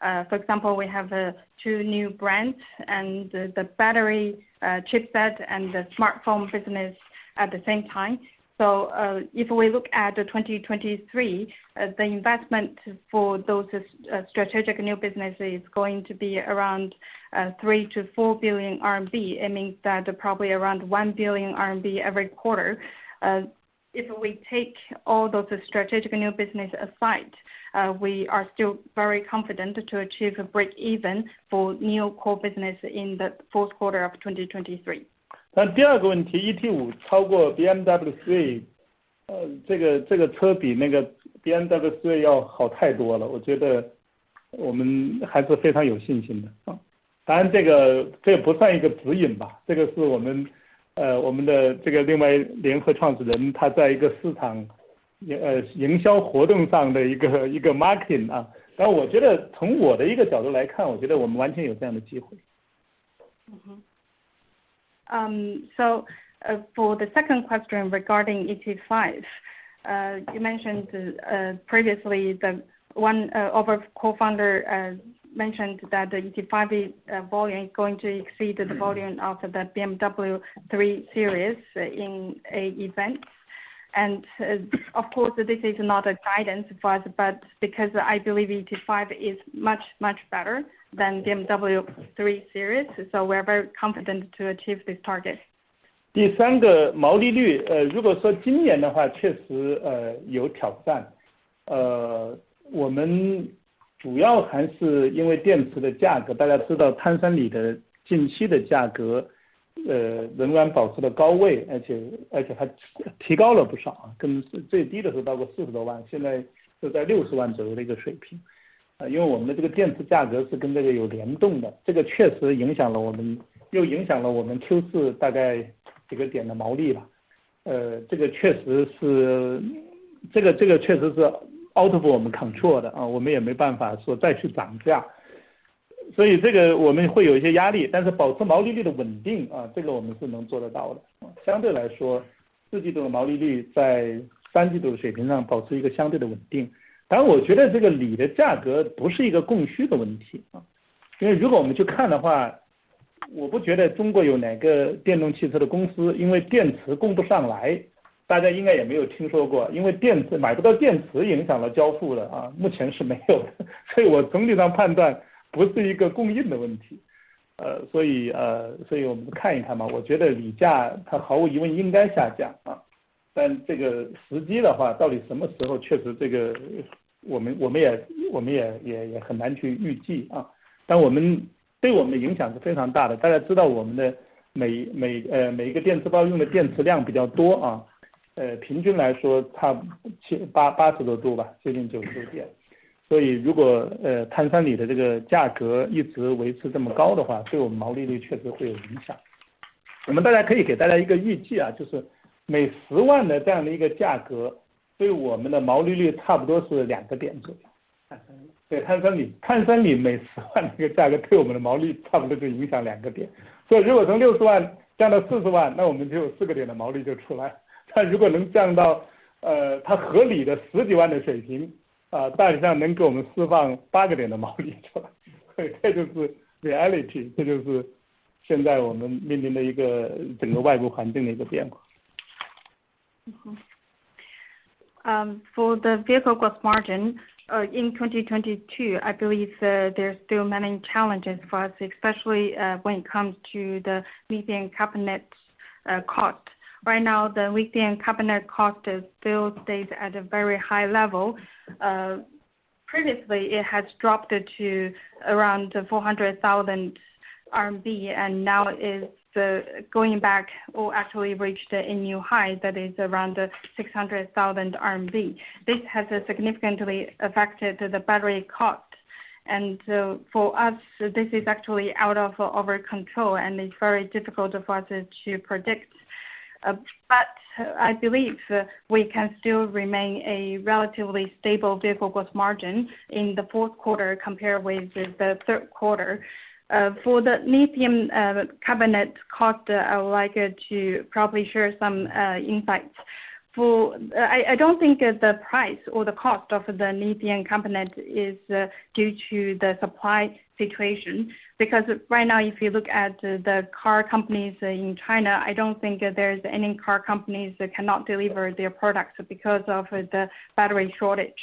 For example, we have two new brands and the battery chipset and the smartphone business at the same time. If we look at 2023, the investment for those strategic new businesses is going to be around 3 billion-4 billion RMB, it means that probably around 1 billion RMB every quarter. If we take all those strategic new business aside, we are still very confident to achieve a break-even for NIO core business in the fourth quarter of 2023. For the second question regarding ET5, you mentioned previously our co-founder mentioned that the ET5 volume is going to exceed the volume of the BMW 3 Series in an event. Of course, this is not a guidance for us, but because I believe ET5 is much, much better than BMW 3 Series, so we're very confident to achieve this target. The third, gross margin. If we say this year, indeed, there are challenges. We mainly because of the price of batteries. Everyone knows that the price of lithium in recent times has remained high and it has increased a lot. With the lowest reaching more than RMB 40 million, now it is around RMB 60 million. Because our battery price is linked to this does impact us, it impacts our Q4, about several percentage points of gross margin. This is indeed out of our control. We can't do anything about it Right now, the lithium carbonate cost is still at a very high level. Previously it has dropped to around 400,000 RMB and now is going back or actually reached a new high that is around 600,000 RMB. This has significantly affected the battery cost. For us, this is actually out of our control and it's very difficult for us to predict. But I believe we can still remain a relatively stable vehicle gross margin in the fourth quarter compared with the third quarter. For the lithium carbonate cost, I would like to probably share some insights. I don't think that the price or the cost of the lithium carbonate is due to the supply situation, because right now, if you look at the car companies in China, I don't think there's any car companies that cannot deliver their products because of the battery shortage.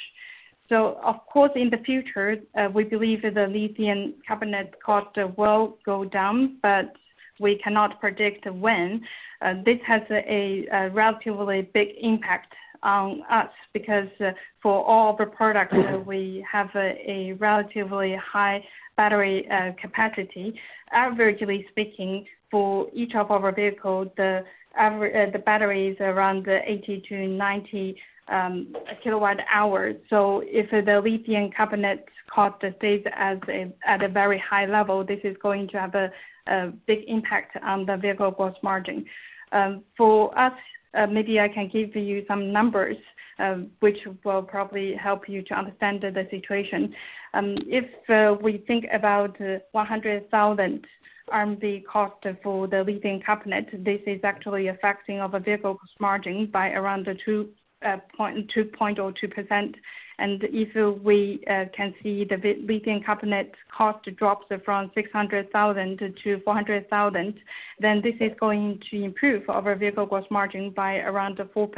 Of course, in the future, we believe the lithium carbonate cost will go down, but we cannot predict when. This has a relatively big impact on us because for all the products we have a relatively high battery capacity. On average speaking, for each of our vehicle, the battery is around 80kWh-90 kWh. If the lithium carbonate cost stays at a very high level, this is going to have a big impact on the vehicle gross margin. For us, maybe I can give you some numbers, which will probably help you to understand the situation. If we think about 100,000 RMB cost for the lithium carbonate, this is actually affecting our vehicle gross margin by around 2.02%. If we can see the lithium carbonate cost drops from 600,000 to 400,000, then this is going to improve our vehicle gross margin by around 4%.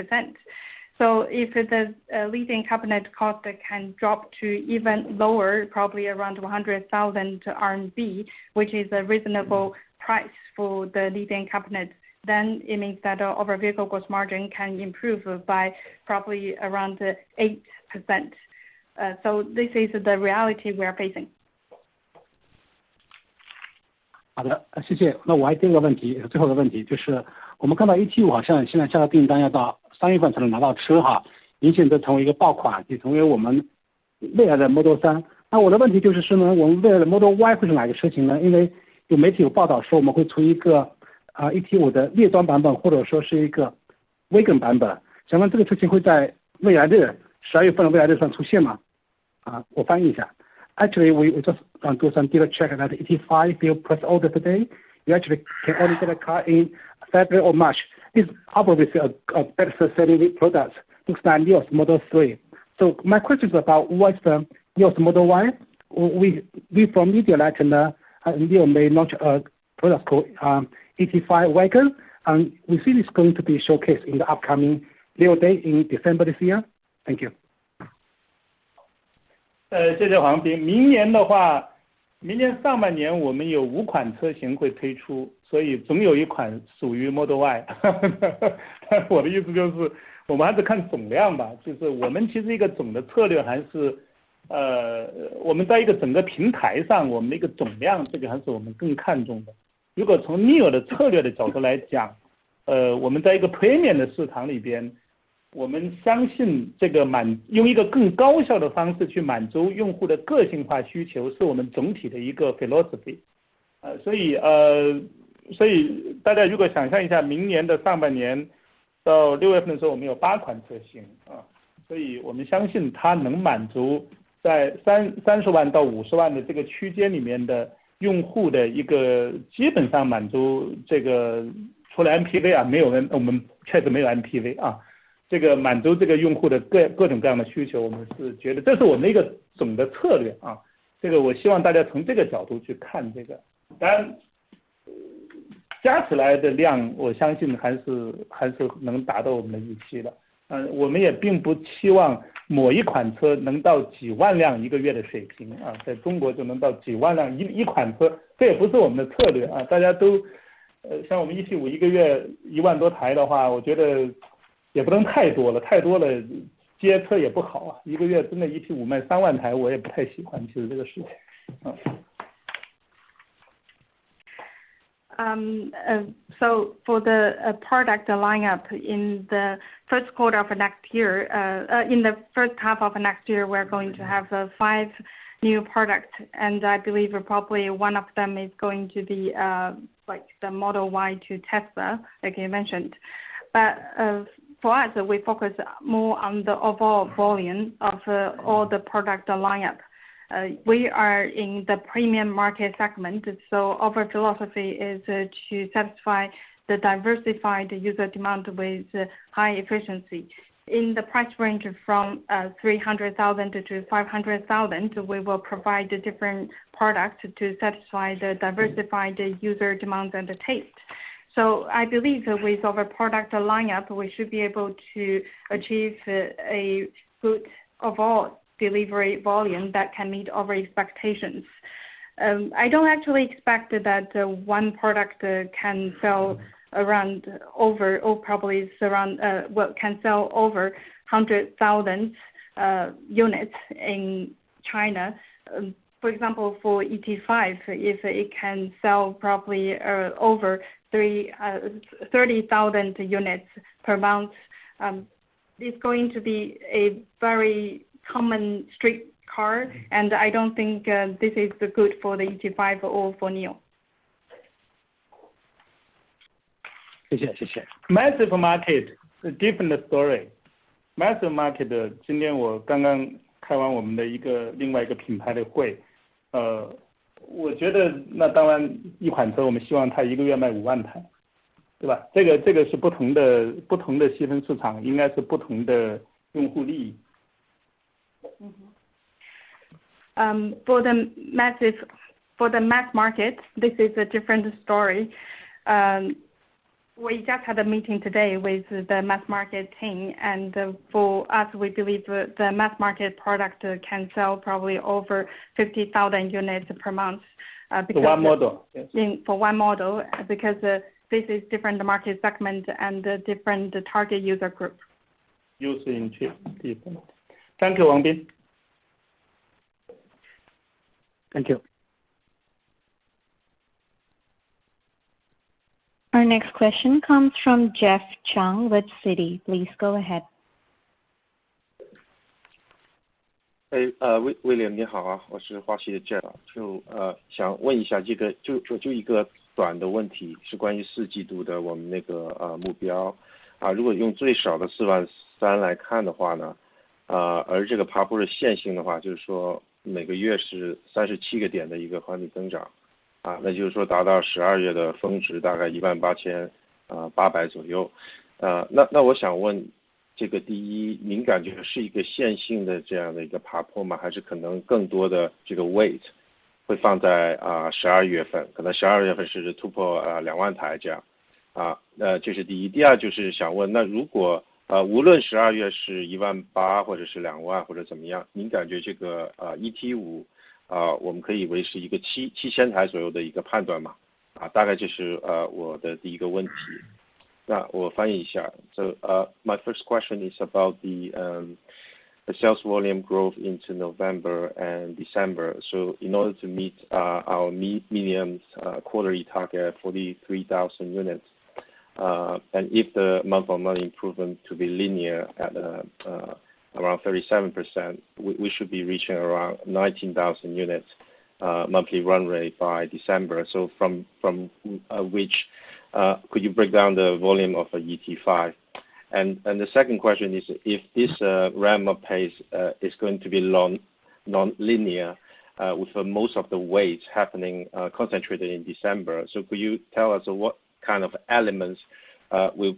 If it is a lithium carbonate cost can drop to even lower, probably around 100,000 RMB, which is a reasonable price for the lithium carbonate. It means that our overall vehicle gross margin can improve by probably around 8%. This is the reality we are facing. 好的，谢谢。那我还有一个问题，也是最后一个问题，就是我们看到ET5好像现在下了订单要到三月份才能拿到车，显然地成为一个爆款，也成为我们未来的Model 3。我的问题就是说我们未来的Model Y会是哪个车型呢？因为有媒体报道说我们会出一个，ET5的猎装版本，或者说是一个wagon版本，请问这个车型会在未来的十二月份的NIO Day上出现吗？我翻译一下。Actually we just do some dealer check about ET5 pre-order today, you actually can only get a car in February or March. It's probably a better selling product than NIO's Model 3. My question is about what's the NIO's Model Y, we learned from media, NIO may launch a product called, ET5 Touring, and we think it's going to be showcased in the upcoming NIO Day in December this year. Thank you. 谢谢黄斌。明年的话，明年上半年我们有五款车型会推出，所以总有一款属于Model Y。我的意思就是我们还是看总量吧，就是我们其实一个总的策略还是，我们在一个整个平台上，我们的一个总量，这个还是我们更看重的。如果从NIO的策略的角度来讲，我们在一个premium的市场里边，我们相信这个满，用一个更高效的方式去满足用户的个性化需求，是我们总体的一个philosophy。所以大家如果想象一下，明年的上半年到六月份的时候，我们有八款车型，所以我们相信它能满足在三十万到五十万的这个区间里面的用户的一个基本上满足这个除了MPV，没有，我们确实没有MPV，这个满足这个用户的各种各样的需求，我们是觉得，这是我们一个总的策略，这个我希望大家从这个角度去看这个。当然，加起来的量我相信还是能达到我们的预期的。我们也并不期望某一款车能到几万辆一个月的水平，在中国就能到几万辆一款车，这也不是我们的策略，像我们ET5一个月一万多台的话，我觉得也不能太多了，太多了，接车也不好，一个月真的ET5卖三万台，我也不太喜欢，其实这个事情。For the product lineup in the first half of next year, we're going to have 5 new products and I believe probably one of them is going to be like the Model Y to Tesla, like you mentioned. For us, we focus more on the overall volume of all the product lineup. We are in the premium market segment, so our philosophy is to satisfy the diversified user demand with high efficiency. In the price range from 300,000-500,000, we will provide different products to satisfy the diversified user demands and the taste. I believe with our product lineup, we should be able to achieve a good overall delivery volume that can meet our expectations. I don't actually expect that one product can sell over 100,000 units in China. For example, for ET5, if it can sell probably over 30,000 units per month, it's going to be a very common street car and I don't think this is good for the ET5 or for NIO. 谢谢，谢谢。Mass market different story，mass market，今天我刚刚开完我们的一个另外一个品牌的会，我觉得那当然一款车，我们希望它一个月卖五万台，对吧？这个，这个是不同的，不同的细分市场，应该是不同的用户利益。For the mass market, this is a different story. We just had a meeting today with the mass market team, and for us, we believe the mass market product can sell probably over 50,000 units per month, because- For one model. For one model, because this is different market segment and different target user group. Use R&D chip different. Thank you, Bin Wang. Thank you. Our next question comes from Jeff Chung with Citi. Please go ahead. William，你好，我是花旗的Jeff，想问一下，就一个短的问题，是关于四季度的目标。如果用最少的四万三来看的话，而这个爬坡是线性的话，就是说每个月是37%的一个环比增长，那就是说达到十二月的峰值，大概一万八千八百左右。那我想问，这个第一，您感觉是一个线性的这样的一个爬坡吗？还是可能更多的这个weight？ 会放在十二月份，可能十二月份实现突破两万台这样。这是第一。第二就是想问，那如果，无论十二月是一万八，或者是两万或者怎么样，您感觉这个ET5，我们可以维持一个七千台左右的一个判断吗？大概就是我的第一个问题。那我翻译一下。My first question is about the sales volume growth into November and December. In order to meet our minimum quarterly target for the 3,000 units, and if the month-on-month improvement to be linear at around 37%, we should be reaching around 19,000 units monthly run rate by December. From which, could you break down the volume of ET5? And the second question is if this ramp-up pace is going to be nonlinear, with most of the weight concentrated in December. Could you tell us what kind of elements will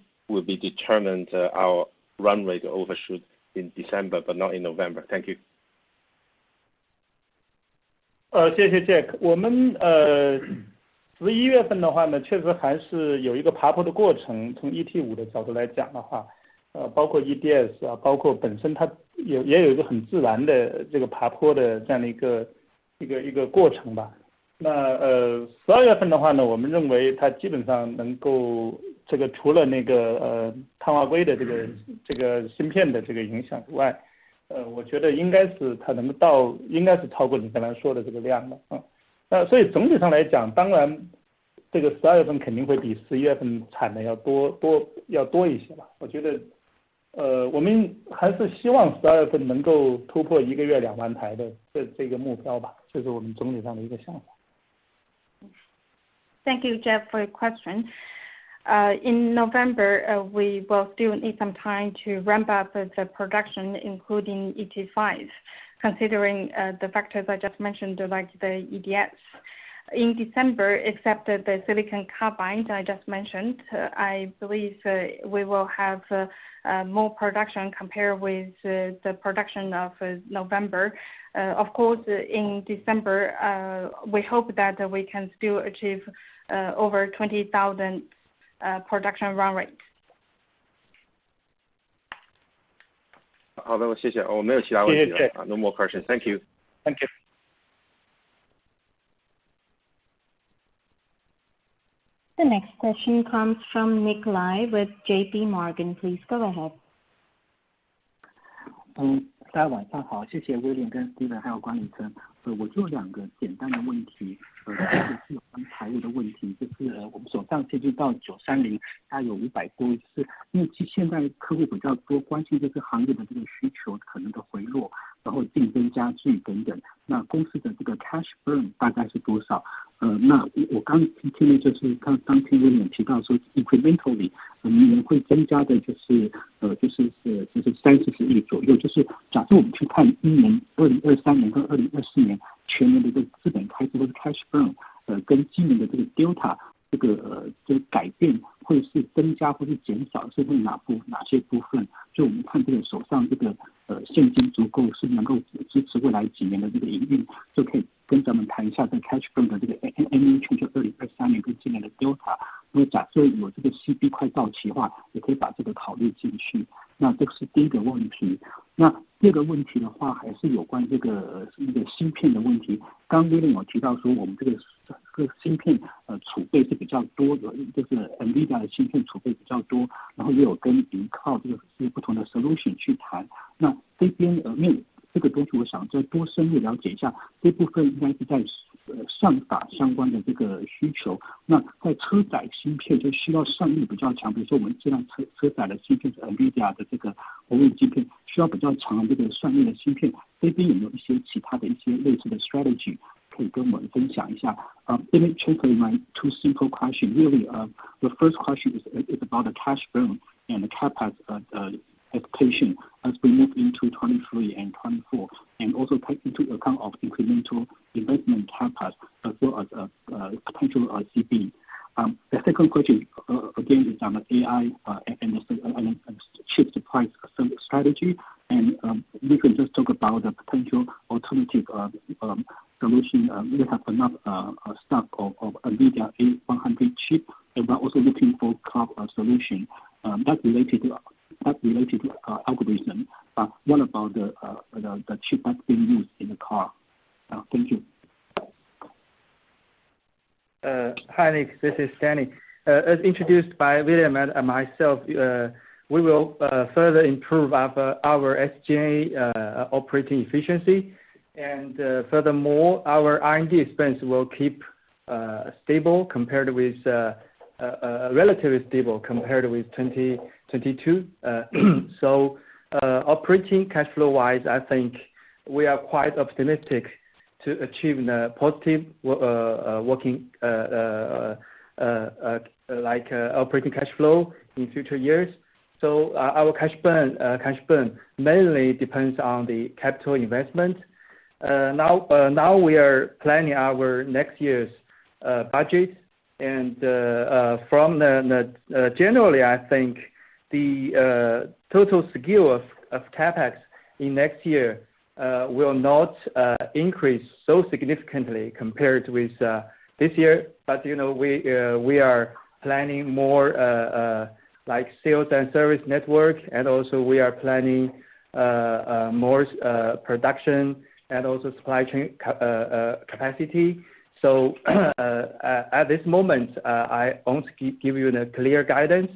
determine our run rate overshoot in December but not in November? Thank you. 谢谢 Jeff。我们十一月份的话呢，确实还是有一个爬坡的过程。从 ET5 的角度来讲的话，包括 EDS Thank you Jeff for your question. In November, we will still need some time to ramp up the production including ET5, considering the factors I just mentioned, like the EDS. In December, except the silicon carbide I just mentioned, I believe we will have more production compared with the production of November. Of course in December, we hope that we can still achieve over 20,000 production run rate. 好的，谢谢。我没有其他问题了。谢谢 Jeff。No more question. Thank you. Thank you. The next question comes from Nick Lai with JPMorgan. Please go ahead. 大家晚上好。谢谢 William 跟 Steven，还有管理层。我就两个简单的问题，是有关财务的问题。就是我们手上现金到九月三十号，大概有五百多亿，是近期现在客户比较多关心的是行业的这个需求的可能的回落，然后竞争加剧等等。那公司的这个 cash burn 大概是多少？那我刚听了，就是刚刚提到说 incremental 你们会增加的，就是三十几亿左右。就是假设我们去看明年 2023 年到 2024 年全年的这个资本开支或者 cash burn，跟今年的这个 delta，这个改变会是增加或是减少，是会哪些部分？就我们看这个手上这个现金足够是能够支持未来几年的这个营运，就可以跟咱们谈一下这个 cash burn 的这个 annualized 2023 年跟今年的 delta。如果假设有这个 CB 快到期的话，也可以把这个考虑进去。那这是第一个问题。那第二个问题的话，还是有关这个芯片的问题。刚刚 William 有提到说我们这个芯片储备是比较多的，就是 NVIDIA 的芯片储备比较多，然后也有跟其他不同的 solution 去谈，那这边，这个东西我想再多深入了解一下，这部分应该是在上法相关的这个需求，那在车载芯片就需要算力比较强，比如说我们这样车载的芯片，NVIDIA 的这个国外芯片，需要比较强这个算力的芯片，这边也有一些其他的一些类似的 strategy 可以跟我们分享一下。Really the first question is about the cash burn and the CapEx expansion as we move into 2023 and 2024, and also take into account of incremental investment CapEx as well as potential RTP. The second question again is on AI and the chip price strategy. You can just talk about the potential alternative solution. We have enough stock of NVIDIA A100 chip, and we're also looking for car solution not related to algorithm, but what about the chip that's being used in the car? Thank you. Hi Nick, this is Stanley. As introduced by William and myself, we will further improve our SG&A operating efficiency. Furthermore, our R&D expense will keep relatively stable compared with 2022. Operating cash flow wise, I think we are quite optimistic to achieve a positive operating cash flow in future years. Our cash burn mainly depends on the capital investment. Now we are planning our next year's budget. Generally, I think the total scale of CapEx in next year will not increase so significantly compared with this year. As you know, we are planning more like sales and service network, and also we are planning more production and also supply chain capacity. At this moment, I won't give you the clear guidance.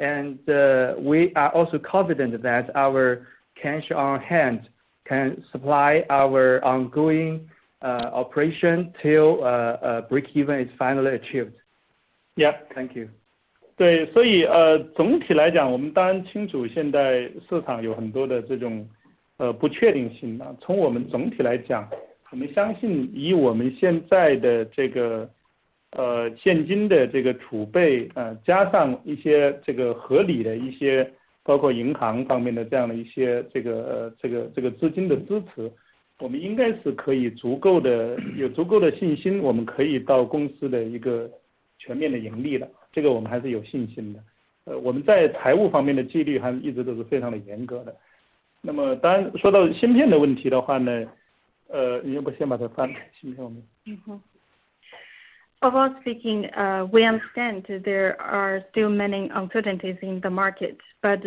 We are also confident that our cash on hand can supply our ongoing operation till breakeven is finally achieved. Yeah。Thank you. Speaking about, we understand there are still many uncertainties in the market, but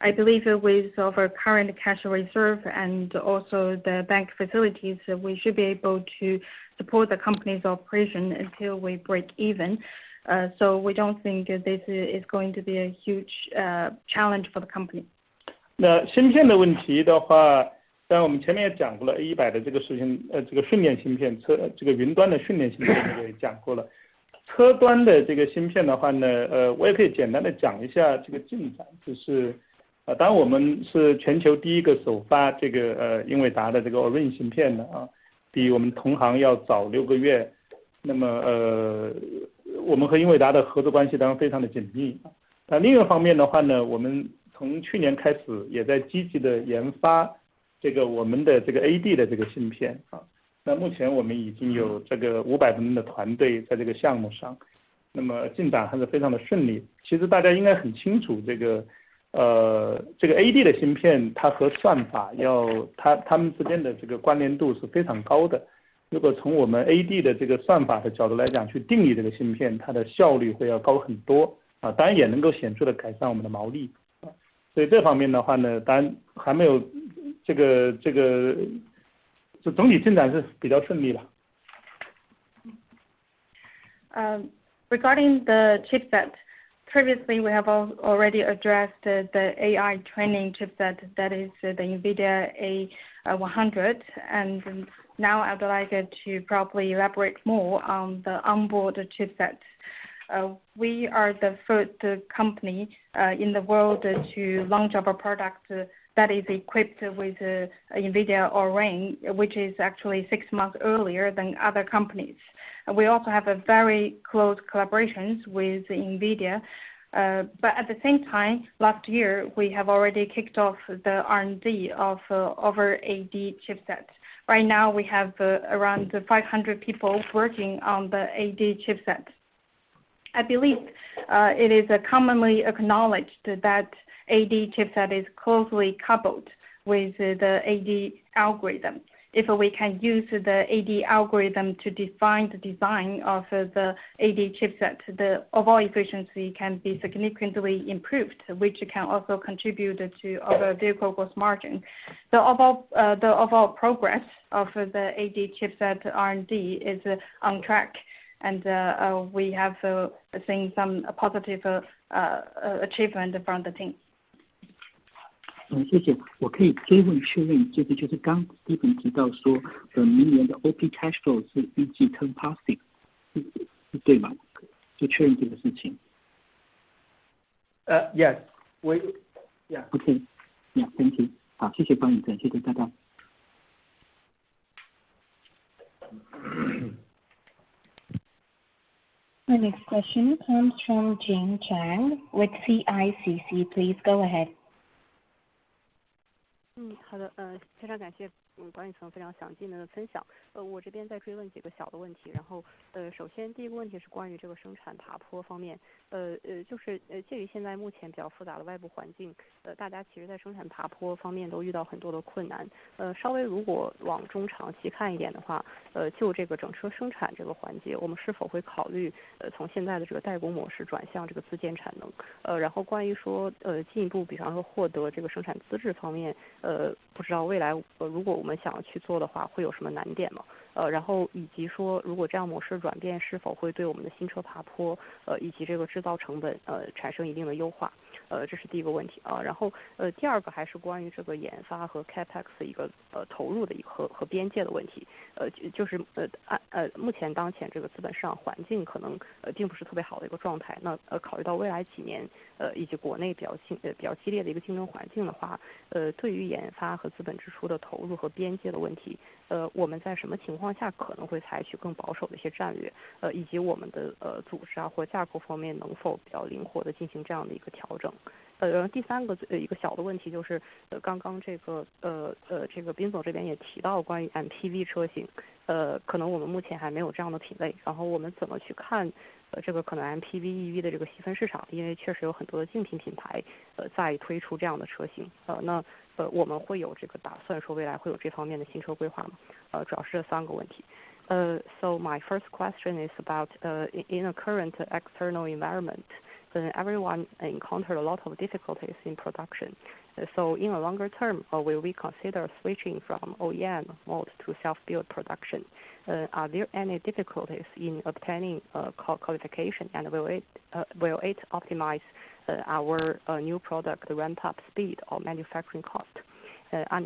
I believe with our current cash reserve and also the bank facilities, we should be able to support the company's operation until we break even. We don't think this is going to be a huge challenge for the company. Regarding the chipset, previously we have already addressed the AI training chipset that is the NVIDIA H100. Now I'd like to probably elaborate more on the onboard chipsets. We are the first company in the world to launch our product that is equipped with NVIDIA Orin, which is actually six months earlier than other companies. We also have a very close collaborations with NVIDIA, but at the same time, last year, we have already kicked off the R&D of our AD chipsets. Right now, we have around 500 people working on the AD chipsets. I believe it is a commonly acknowledged that AD chipset is closely coupled with the AD algorithm. If we can use the AD algorithm to define the design of the AD chipset, the overall efficiency can be significantly improved, which can also contribute to our vehicle gross margin. The overall progress of the AD chipset R&D is on track, and we have seen some positive achievement from the team. 谢谢。我可以追问确认，这个就是刚 Stephen 提到说，明年的 operating cash flow 是预计 turn positive，是对吗？就确认这个事情。Yes, we yeah. 好，谢谢管理层，谢谢，拜拜。Our next question comes from Jane Zhang with CICC. Please go ahead. EV的这个细分市场，因为确实有很多的竞品品牌在推出这样的车型，那我们会有这个打算说未来会有这方面的新车规划吗？主要是这三个问题。My first question is about, in the current external environment, everyone encounters a lot of difficulties in production. So in the longer term, will we consider switching from OEM mode to self-build production? Are there any difficulties in obtaining qualification? And will it optimize our new product ramp-up speed or manufacturing cost?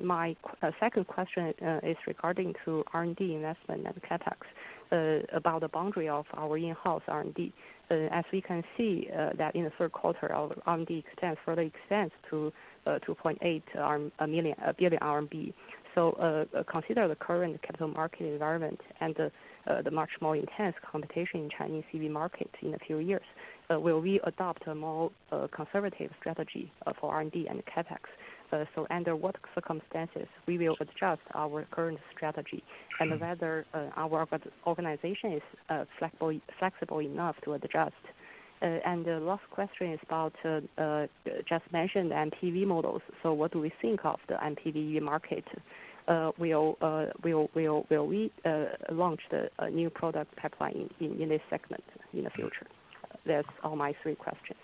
My second question is regarding R&D investment and CapEx, about the boundary of our in-house R&D. As we can see, in the third quarter our R&D further extends to 2.8 billion RMB. Consider the current capital market environment and the much more intense competition in Chinese EV market in a few years, will we adopt a more conservative strategy for R&D and CapEx? Under what circumstances will we adjust our current strategy? Whether our organization is flexible enough to adjust. The last question is about just mentioned MPV models. What do we think of the MPV market? Will we launch the new product pipeline in this segment in the future? That's all my three questions.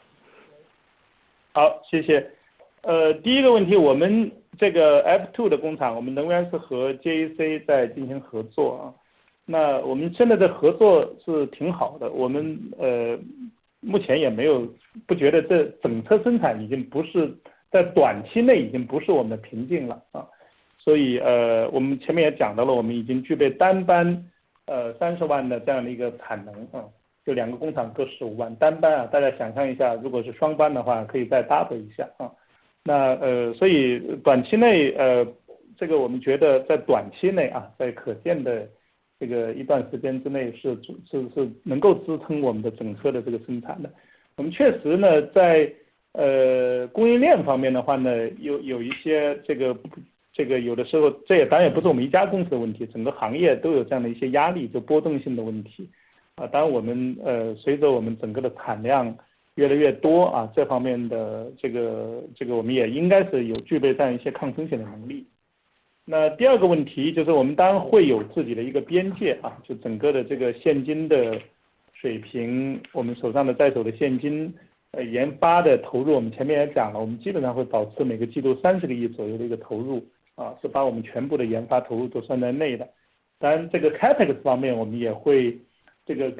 For the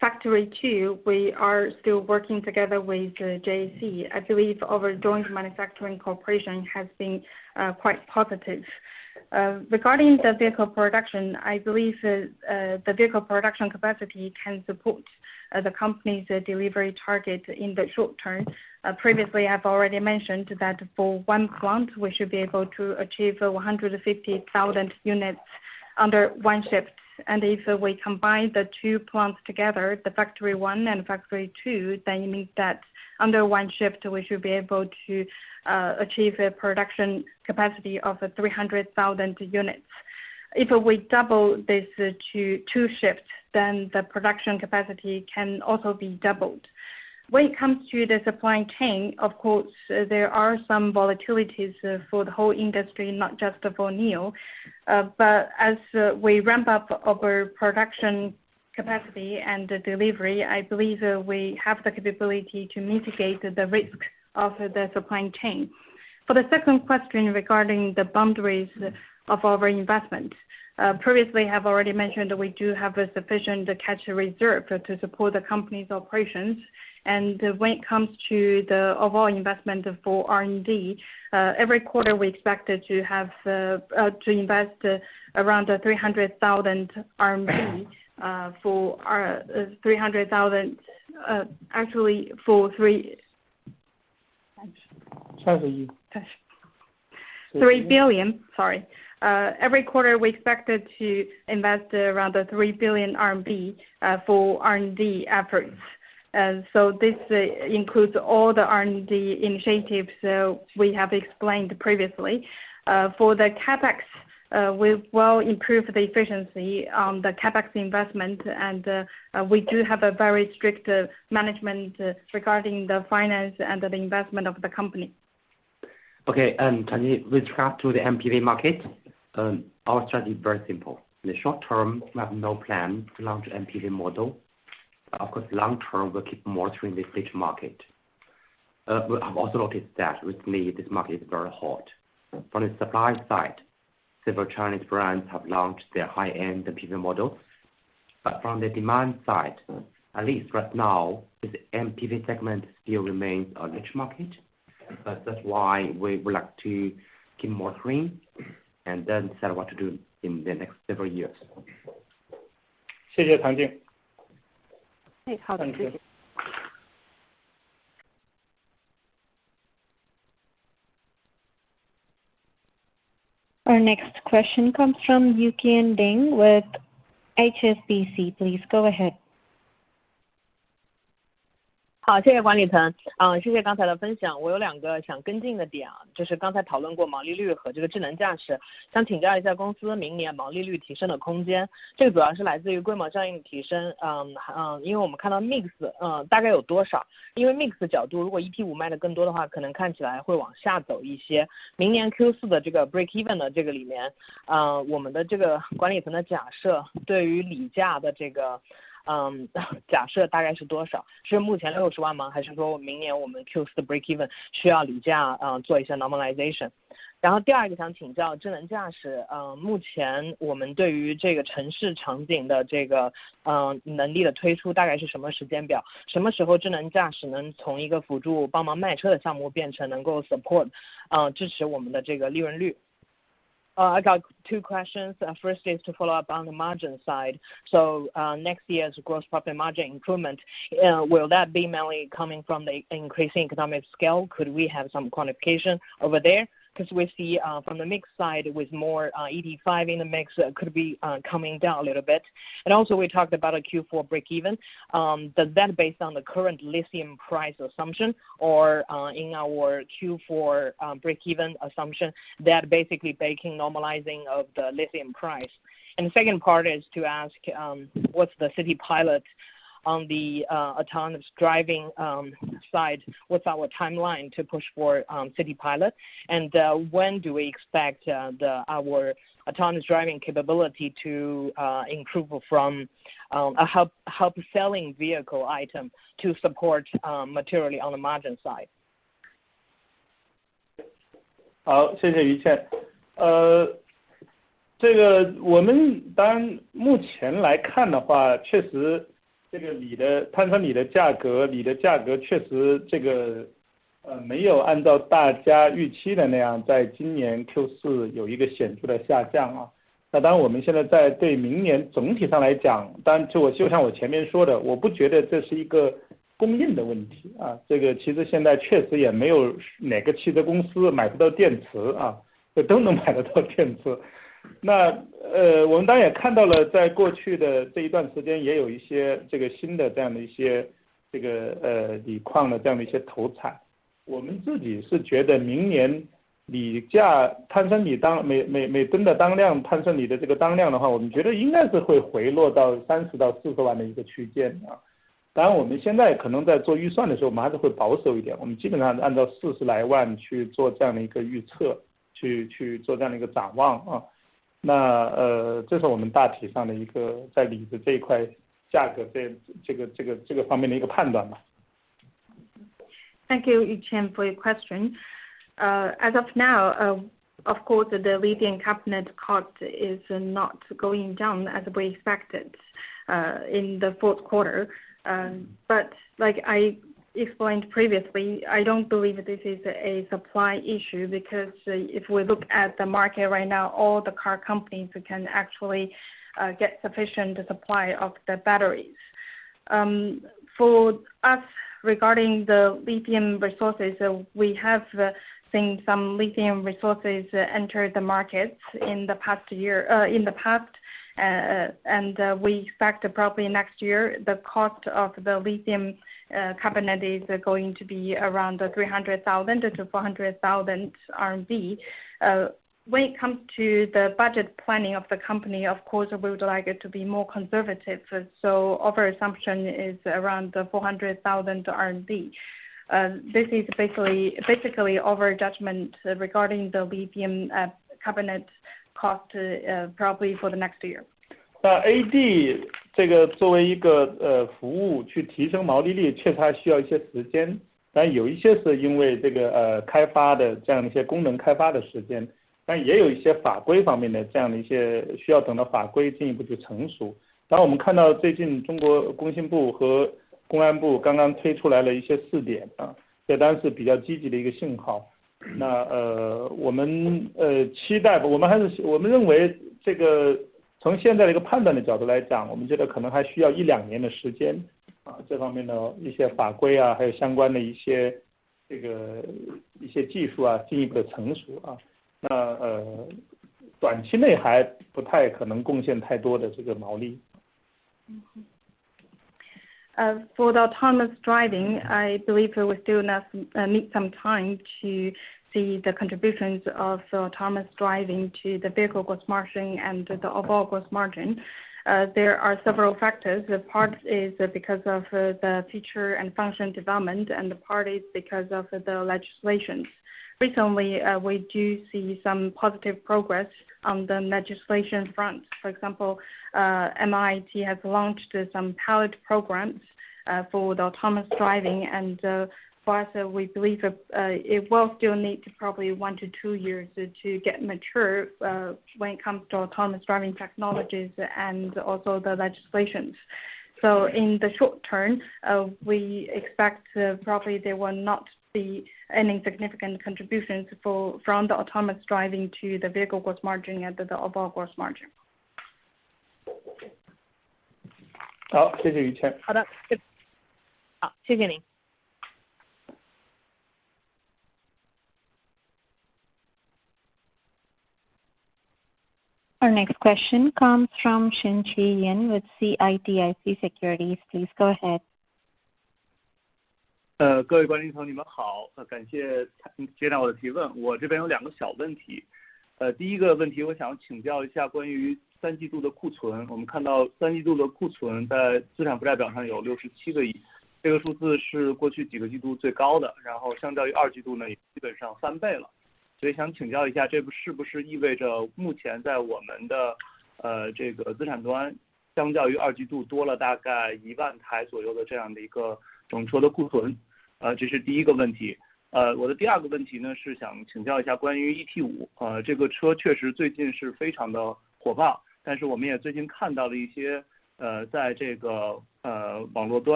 factory two, we are still working together with JAC. I believe our joint manufacturing cooperation has been quite positive. Regarding the vehicle production, I believe the vehicle production capacity can support the company's delivery target in the short term. Previously, I've already mentioned that for one plant we should be able to achieve 150,000 units under one shift. If we combine the two plants together, the Factory One and Factory Two, then it means that under one shift we should be able to achieve a production capacity of 300,000 units. If we double this to two shifts, then the production capacity can also be doubled. When it comes to the supply chain, of course, there are some volatilities for the whole industry, not just for NIO. But as we ramp up our production capacity and the delivery, I believe we have the capability to mitigate the risk of the supply chain. For the second question regarding the boundaries of our investment, previously I've already mentioned we do have a sufficient cash reserve to support the company's operations. When it comes to the overall investment for R&D, every quarter, we expected to invest around 3 billion RMB for R&D efforts. This includes all the R&D initiatives that we have explained previously. For the CapEx, we will improve the efficiency on the CapEx investment. We do have a very strict management regarding the finance and the investment of the company. Okay. Zhang, regarding the MPV market, our strategy is very simple. In the short term, we have no plan to launch MPV model. Of course, long term, we'll keep monitoring this niche market. We have also noticed that meanwhile, this market is very hot. From the supply side, several Chinese brands have launched their high-end MPV models. From the demand side, at least right now, the MPV segment still remains a niche market. That's why we would like to keep monitoring and then decide what to do in the next several years. Our next question comes from Yuqian Ding with HSBC. Please go ahead. 谢谢管理层，谢谢刚才的分享。我有两个想跟进的点，就是刚才讨论过毛利率和智能驾驶。想请教一下公司明年毛利率提升的空间，这个主要是来自于规模效应提升，还因为我们看到Mix，大概有多少，因为从Mix的角度，如果ET5卖得更多的话，可能看起来会往下走一些。明年Q4的这个break even里面，我们管理层的假设，对于锂价的假设大概是多少？是目前六十万吗？还是说明年我们Q4 break I got two questions. First is to follow up on the margin side. Next year's gross profit margin improvement will that be mainly coming from the increasing economic scale? Could we have some quantification over there? 'Cause we see from the mix side with more ET5 in the mix could be coming down a little bit. Also we talked about a Q4 break even, does that based on the current lithium price assumption or in our Q4 break even assumption that basically baking normalizing of the lithium price? Second part is to ask what's the city pilot on the autonomous driving side, what's our timeline to push for city pilot? When do we expect our autonomous driving capability to improve from a help selling vehicle item to support materially on the margin side. 好，谢谢 Yu Qian。这个我们当然目前来看的话，确实这个锂的，碳酸锂的价格，锂的价格确实这个，没有按照大家预期的那样，在今年 Q4 有一个显著的下降啊。那当然我们现在在对明年总体上来讲，当然就我就像我前面说的，我不觉得这是一个供应的问题啊，这个其实现在确实也没有哪个汽车公司买不到电池啊，这都能买得到电池。那我们当然也看到了，在过去的这一段时间，也有一些这个新的这样的一些，这个锂矿的这样的一些投产，我们自己是觉得明年锂价，碳酸锂每吨的当量，碳酸锂的这个当量的话，我们觉得应该是会回落到三十到四十万的一个区间啊。当然我们现在可能在做预算的时候，我们还是会保守一点，我们基本上按照四十来万去做这样的一个预测，去做这样的一个展望啊。那这是我们大体上的一个在锂的这一块价格，在这个方面的一个判断吧。Thank you, Yu Qian, for your question. As of now, of course the lithium carbonate cost is not going down as we expected in the fourth quarter. Like I explained previously, I don't believe this is a supply issue, because if we look at the market right now, all the car companies who can actually get sufficient supply of the batteries. For us regarding the lithium resources, we have seen some lithium resources enter the market in the past year, in the past, and we expect probably next year the cost of the lithium carbonate is going to be around 300,000-400,000 RMB. When it come to the budget planning of the company, of course we would like it to be more conservative, so our assumption is around 400,000 RMB. This is basically our judgment regarding the lithium carbonate cost, probably for the next year. For the autonomous driving, I believe we still not need some time to see the contributions of autonomous driving to the vehicle gross margin and the overall gross margin. There are several factors. The parts is because of the feature and function development and part is because of the legislations. Recently, we do see some positive progress on the legislation front. For example, MIIT has launched some pilot programs for the autonomous driving. For us, we believe it will still need to probably 1-2 years to get mature when it comes to autonomous driving technologies and also the legislations. In the short term, we expect probably there will not be any significant contributions from the autonomous driving to the vehicle gross margin and the overall gross margin. 好，谢谢 Yu Qian。好的。好，谢谢您。Our next question comes from Xinchi Yin with CITIC Securities. Please go ahead.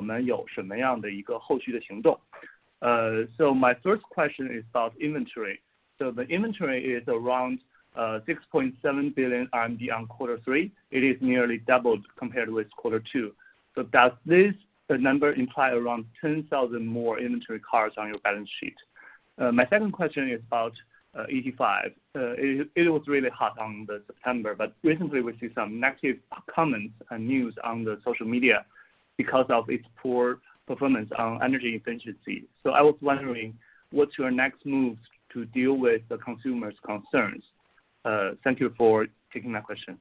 My first question is about inventory. The inventory is around 6.7 billion RMB on Q3, it is nearly double compared with Q2. This number implies around 10,000 more inventory cars on your balance sheet. My second question is about ET5. It was really hot in September but recently we see some negative comments and news on the social media because of its poor performance on energy efficiency. I was wondering what's your next move to deal with the consumers' concerns? Thank you for taking my questions.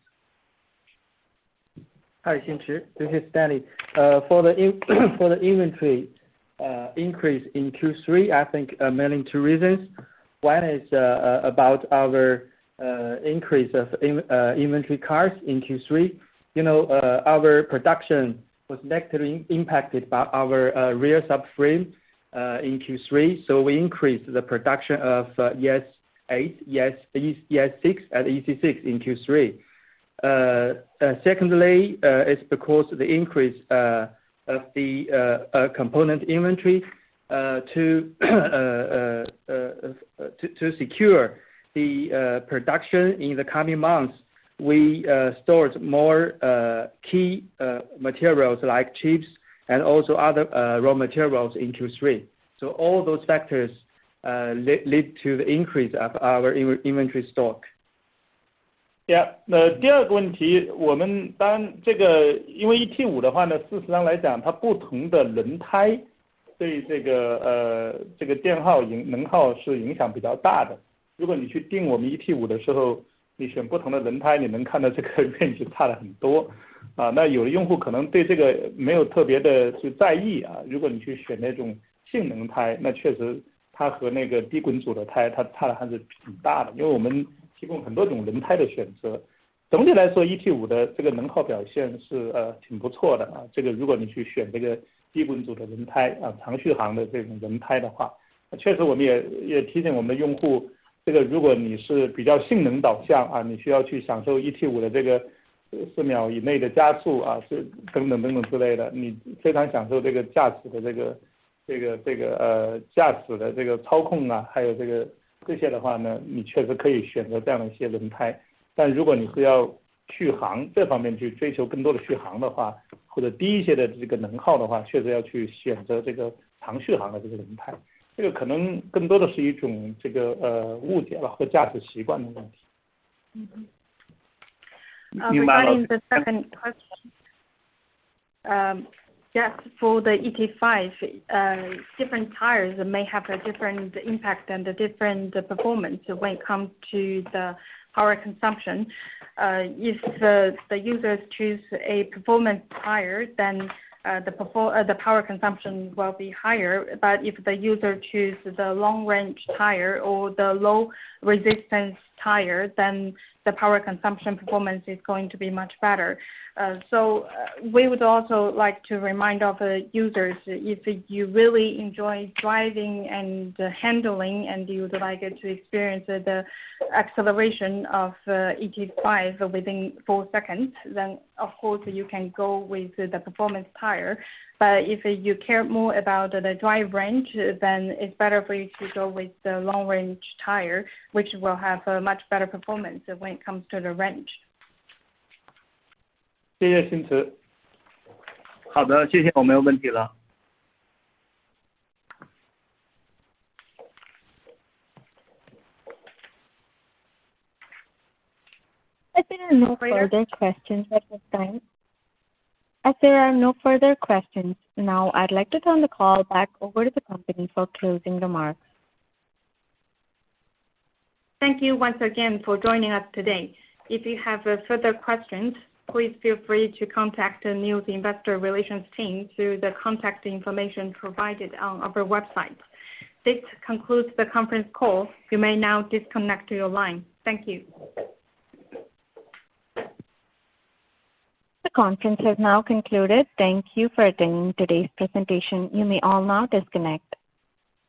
Hi, Xinchi, this is Stanley. For the inventory increase in Q3, I think mainly two reasons. One is about our increase of inventory cars in Q3. You know our production was negatively impacted by our rear subframe in Q3, so we increased the production of ES8, ES6 and EC6 in Q3. Secondly, it's because the increase of the component inventory to secure the production in the coming months, we stored more key materials like chips and also other raw materials in Q3. All those factors lead to the increase of our inventory stock. Yes, for the ET5, different tires may have a different impact and a different performance when it come to the power consumption. If the users choose a performance tire, then the power consumption will be higher. If the user choose the long range tire or the low resistance tire, then the power consumption performance is going to be much better. We would also like to remind of users, if you really enjoy driving and handling, and you would like it to experience the acceleration of ET5 within four seconds, then of course you can go with the performance tire. If you care more about the drive range, then it's better for you to go with the long range tire, which will have a much better performance when it comes to the range. 谢谢辛奇。好的，谢谢。我没有问题了。As there are no further questions, now I'd like to turn the call back over to the company for closing remarks. Thank you once again for joining us today. If you have further questions, please feel free to contact the NIO's investor relations team through the contact information provided on our website. This concludes the conference call. You may now disconnect your line. Thank you. The conference is now concluded. Thank you for attending today's presentation. You may all now disconnect.